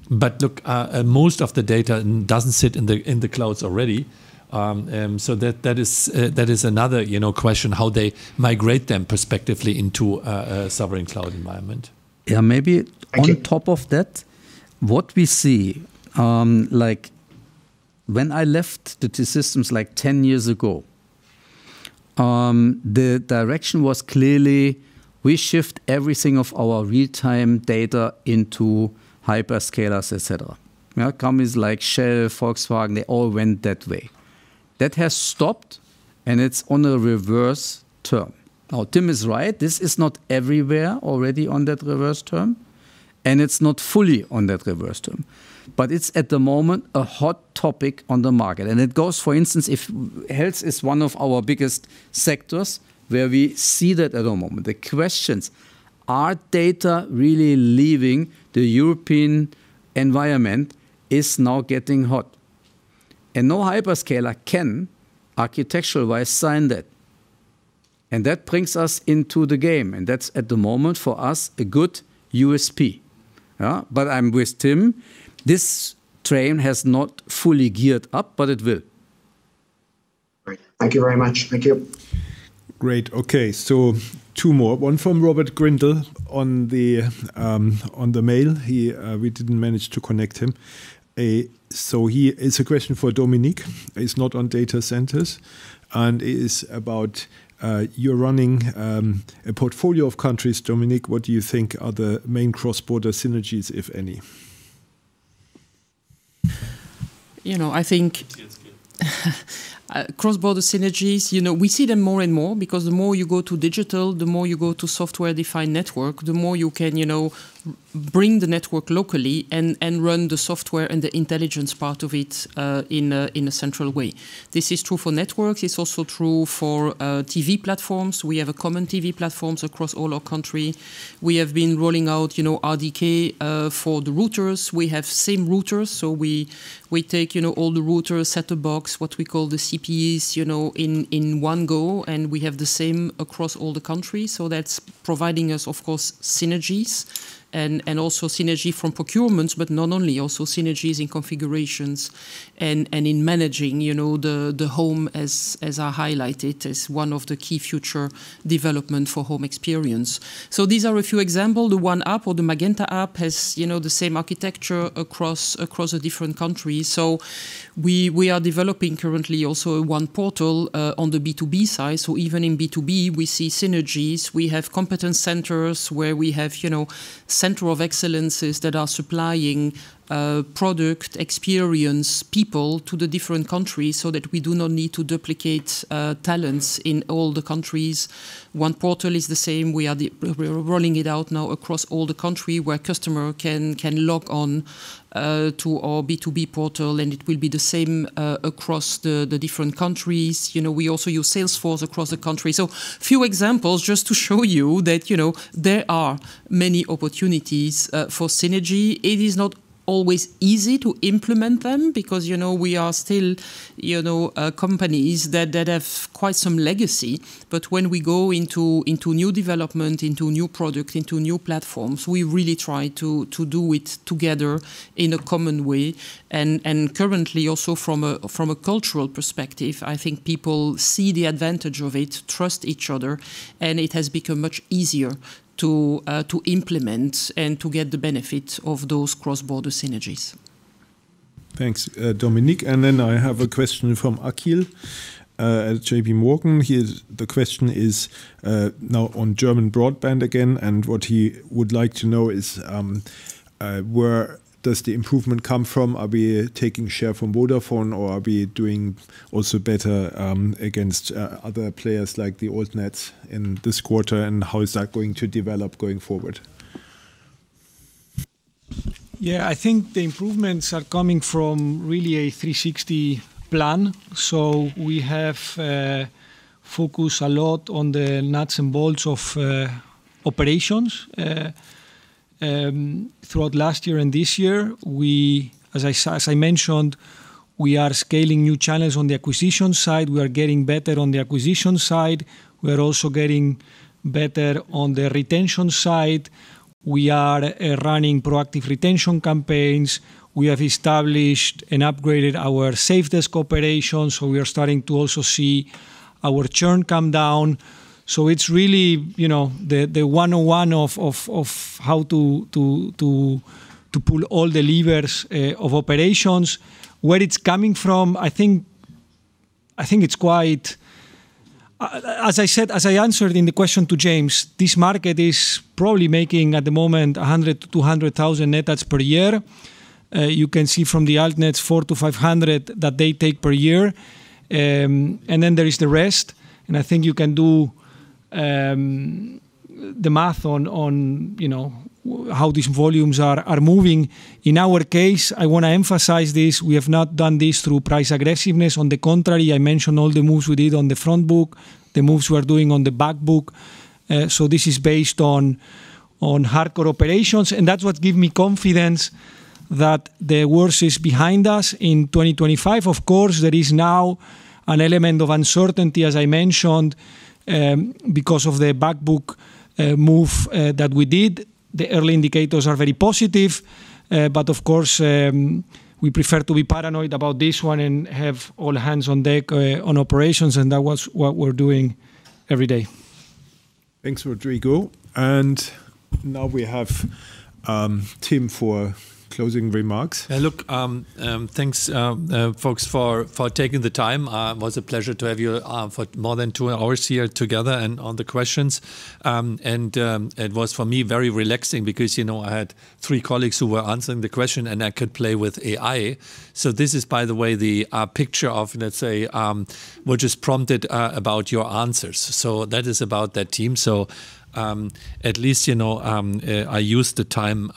but look, most of the data doesn't sit in the, in the clouds already. That is another, you know, question, how they migrate them perspectively into a Sovereign Cloud environment. Yeah. Okay- on top of that, what we see, like when I left the T-Systems like 10 years ago, the direction was clearly we shift everything of our real-time data into hyperscalers, et cetera. You know, companies like Shell, Volkswagen, they all went that way. That has stopped, and it's on a reverse term. Now, Tim is right, this is not everywhere already on that reverse term, and it's not fully on that reverse term, but it's, at the moment, a hot topic on the market, and it goes. For instance, if health is one of our biggest sectors where we see that at the moment. The questions: are data really leaving the European environment, is now getting hot. No hyperscaler can, architectural-wise, sign that. That brings us into the game, and that's, at the moment, for us, a good USP. But I'm with Tim. This train has not fully geared up, but it will. Great. Thank you very much. Thank you. Great. Okay, two more, one from Robert Grindle on the on the mail. He we didn't manage to connect him. It's a question for Dominique. It's not on data centers. It is about you're running a portfolio of countries, Dominique. What do you think are the main cross-border synergies, if any? You know, I think cross-border synergies, you know, we see them more and more because the more you go to digital, the more you go to software-defined network, the more you can, you know, bring the network locally and run the software and the intelligence part of it in a central way. This is true for networks. It's also true for TV platforms. We have a common TV platforms across all our country. We have been rolling out, you know, RDK for the routers. We have same routers, so we take, you know, all the routers, set-top box, what we call the CPEs, you know, in one go, and we have the same across all the countries. That's providing us, of course, synergies and also synergy from procurements, but not only, also synergies in configurations and in managing, you know, the home as I highlighted, as one of the key future development for home experience. These are a few example. The one app or the MeinMagenta app has, you know, the same architecture across the different countries. We are developing currently also one portal on the B2B side. Even in B2B, we see synergies. We have competence centers where we have, you know, center of excellences that are supplying product, experience, people to the different countries so that we do not need to duplicate talents in all the countries. One portal is the same. We're rolling it out now across all the country where customer can log on to our B2B portal. It will be the same across the different countries. You know, we also use Salesforce across the country. A few examples just to show you that, you know, there are many opportunities for synergy. It is not always easy to implement them because, you know, we are still, you know, companies that have quite some legacy. When we go into new development, into new product, into new platforms, we really try to do it together in a common way. Currently, also from a cultural perspective, I think people see the advantage of it, trust each other, and it has become much easier to implement and to get the benefits of those cross-border synergies. Thanks, Dominique. I have a question from Akil at JPMorgan. The question is now on German broadband again, and what he would like to know is where does the improvement come from? Are we taking share from Vodafone, or are we doing also better against other players like the Altnets in this quarter? How is that going to develop going forward? I think the improvements are coming from really a 360 plan. We have focused a lot on the nuts and bolts of operations. Throughout last year and this year, we, as I mentioned, we are scaling new channels on the acquisition side. We are getting better on the acquisition side. We are also getting better on the retention side. We are running proactive retention campaigns. We have established and upgraded our service desk cooperation, we are starting to also see our churn come down. It's really, you know, the one-on-one of how to pull all the levers of operations. Where it's coming from, I think it's as I said, as I answered in the question to James, this market is probably making, at the moment, 100,000-200,000 net adds per year. You can see from the Altnets 400-500 that they take per year. Then there is the rest, and I think you can do the math on, you know, how these volumes are moving. In our case, I wanna emphasize this: we have not done this through price aggressiveness. On the contrary, I mentioned all the moves we did on the front book, the moves we are doing on the back book. This is based on hardcore operations, and that's what give me confidence that the worst is behind us. In 2025, of course, there is now an element of uncertainty, as I mentioned, because of the back book move that we did. The early indicators are very positive, but of course, we prefer to be paranoid about this one and have all hands on deck on operations, and that was what we're doing every day. Thanks, Rodrigo. Now we have, Tim for closing remarks. Thanks, folks, for taking the time. It was a pleasure to have you for more than two hours here together and on the questions. It was for me, very relaxing because, you know, I had three colleagues who were answering the question, and I could play with AI. This is, by the way, the picture of which is prompted about your answers. That is about that team. At least, you know, I used the time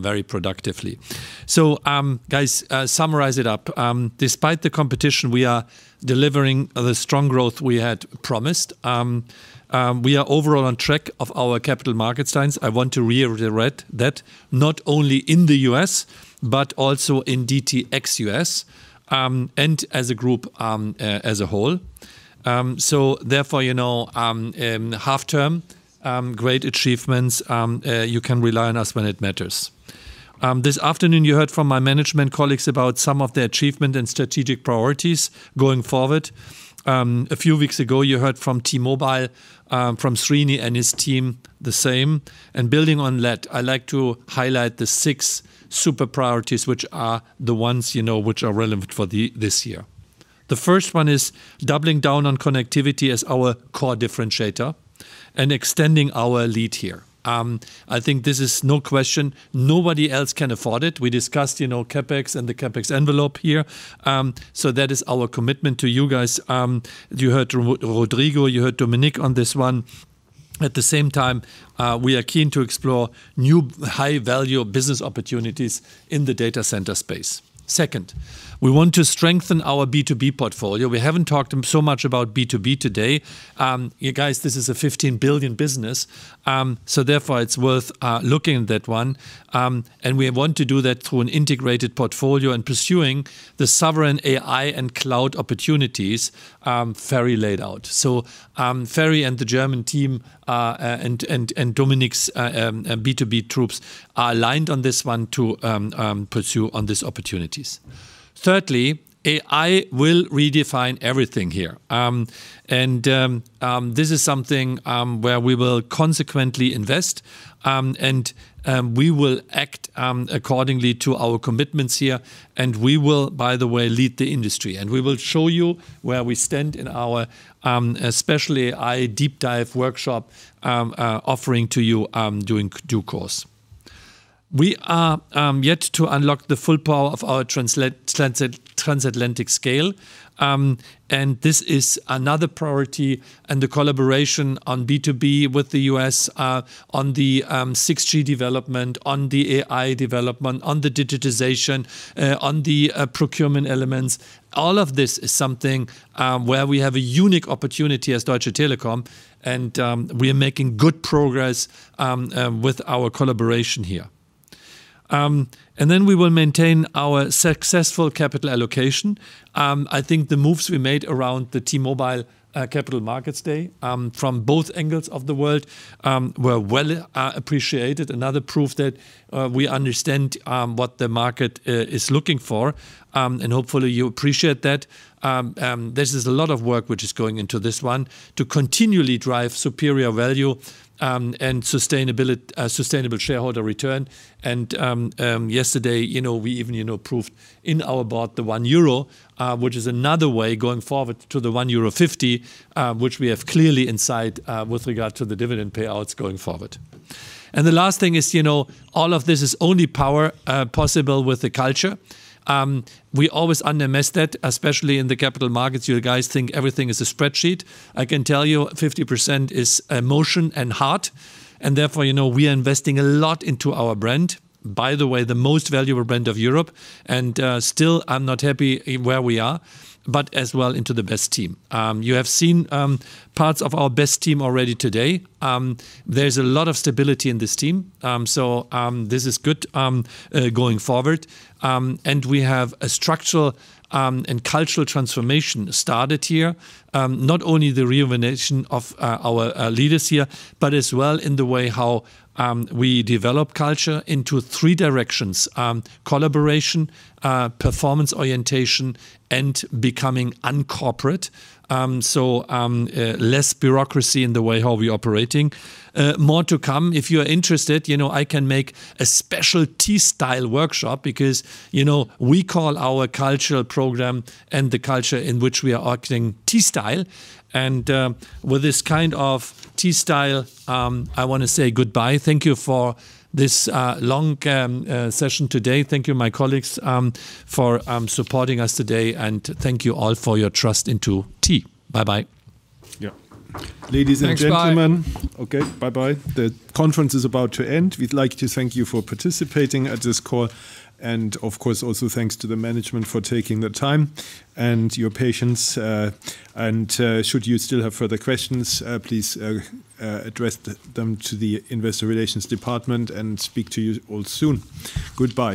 very productively. Guys, summarize it up. Despite the competition, we are delivering the strong growth we had promised. We are overall on track of our capital market signs. I want to reiterate that not only in the U.S., but also in DT ex US, and as a group as a whole. You know, half-term, great achievements. You can rely on us when it matters. This afternoon, you heard from my management colleagues about some of the achievement and strategic priorities going forward. A few weeks ago, you heard from T-Mobile, from Srini and his team, the same. Building on that, I'd like to highlight the six super priorities, which are the ones, you know, which are relevant for this year. The first one is doubling down on connectivity as our core differentiator and extending our lead here. I think this is no question. Nobody else can afford it. We discussed, you know, CapEx and the CapEx envelope here. That is our commitment to you guys. You heard Rodrigo, you heard Dominique on this one. At the same time, we are keen to explore new high-value business opportunities in the data center space. Second, we want to strengthen our B2B portfolio. We haven't talked so much about B2B today. You guys, this is a 15 billion business, so therefore, it's worth looking at that one. We want to do that through an integrated portfolio and pursuing the sovereign AI and cloud opportunities, very laid out. Ferri and the German team and Dominique's B2B troops are aligned on this one to pursue on these opportunities. Thirdly, AI will redefine everything here. This is something where we will consequently invest, and we will act accordingly to our commitments here, and we will, by the way, lead the industry. We will show you where we stand in our especially AI deep dive workshop offering to you during due course. We are yet to unlock the full power of our transatlantic scale. This is another priority and the collaboration on B2B with the U.S. on the 6G development, on the AI development, on the digitization, on the procurement elements. All of this is something where we have a unique opportunity as Deutsche Telekom, we are making good progress with our collaboration here. We will maintain our successful capital allocation. I think the moves we made around the T-Mobile Capital Markets Day from both angles of the world were well appreciated. Another proof that we understand what the market is looking for, and hopefully, you appreciate that. This is a lot of work which is going into this one to continually drive superior value and sustainable shareholder return. Yesterday, you know, we even, you know, proved in our board the 1 euro, which is another way going forward to the 1.50 euro, which we have clearly in sight with regard to the dividend payouts going forward. The last thing is, you know, all of this is only power possible with the culture. We always underestimate that, especially in the capital markets. You guys think everything is a spreadsheet. I can tell you 50% is emotion and heart, therefore, you know, we are investing a lot into our brand, by the way, the most valuable brand of Europe, still, I'm not happy where we are, as well into the best team. You have seen parts of our best team already today. There's a lot of stability in this team. This is good going forward. We have a structural and cultural transformation started here. Not only the rejuvenation of our leaders here, as well in the way how we develop culture into three directions: collaboration, performance orientation, and becoming uncorporate. Less bureaucracy in the way how we operating. More to come. If you are interested, you know, I can make a special T-Style workshop because, you know, we call our cultural program and the culture in which we are acting, T-Style. With this kind of T-Style, I want to say goodbye. Thank you for this long session today. Thank you, my colleagues, for supporting us today, and thank you all for your trust into T. Bye-bye. Yeah. Ladies and gentlemen. Thanks. Bye. Okay, bye-bye. The conference is about to end. We'd like to thank you for participating at this call and, of course, also thanks to the management for taking the time and your patience. Should you still have further questions, please address them to the Investor Relations department, and speak to you all soon. Goodbye.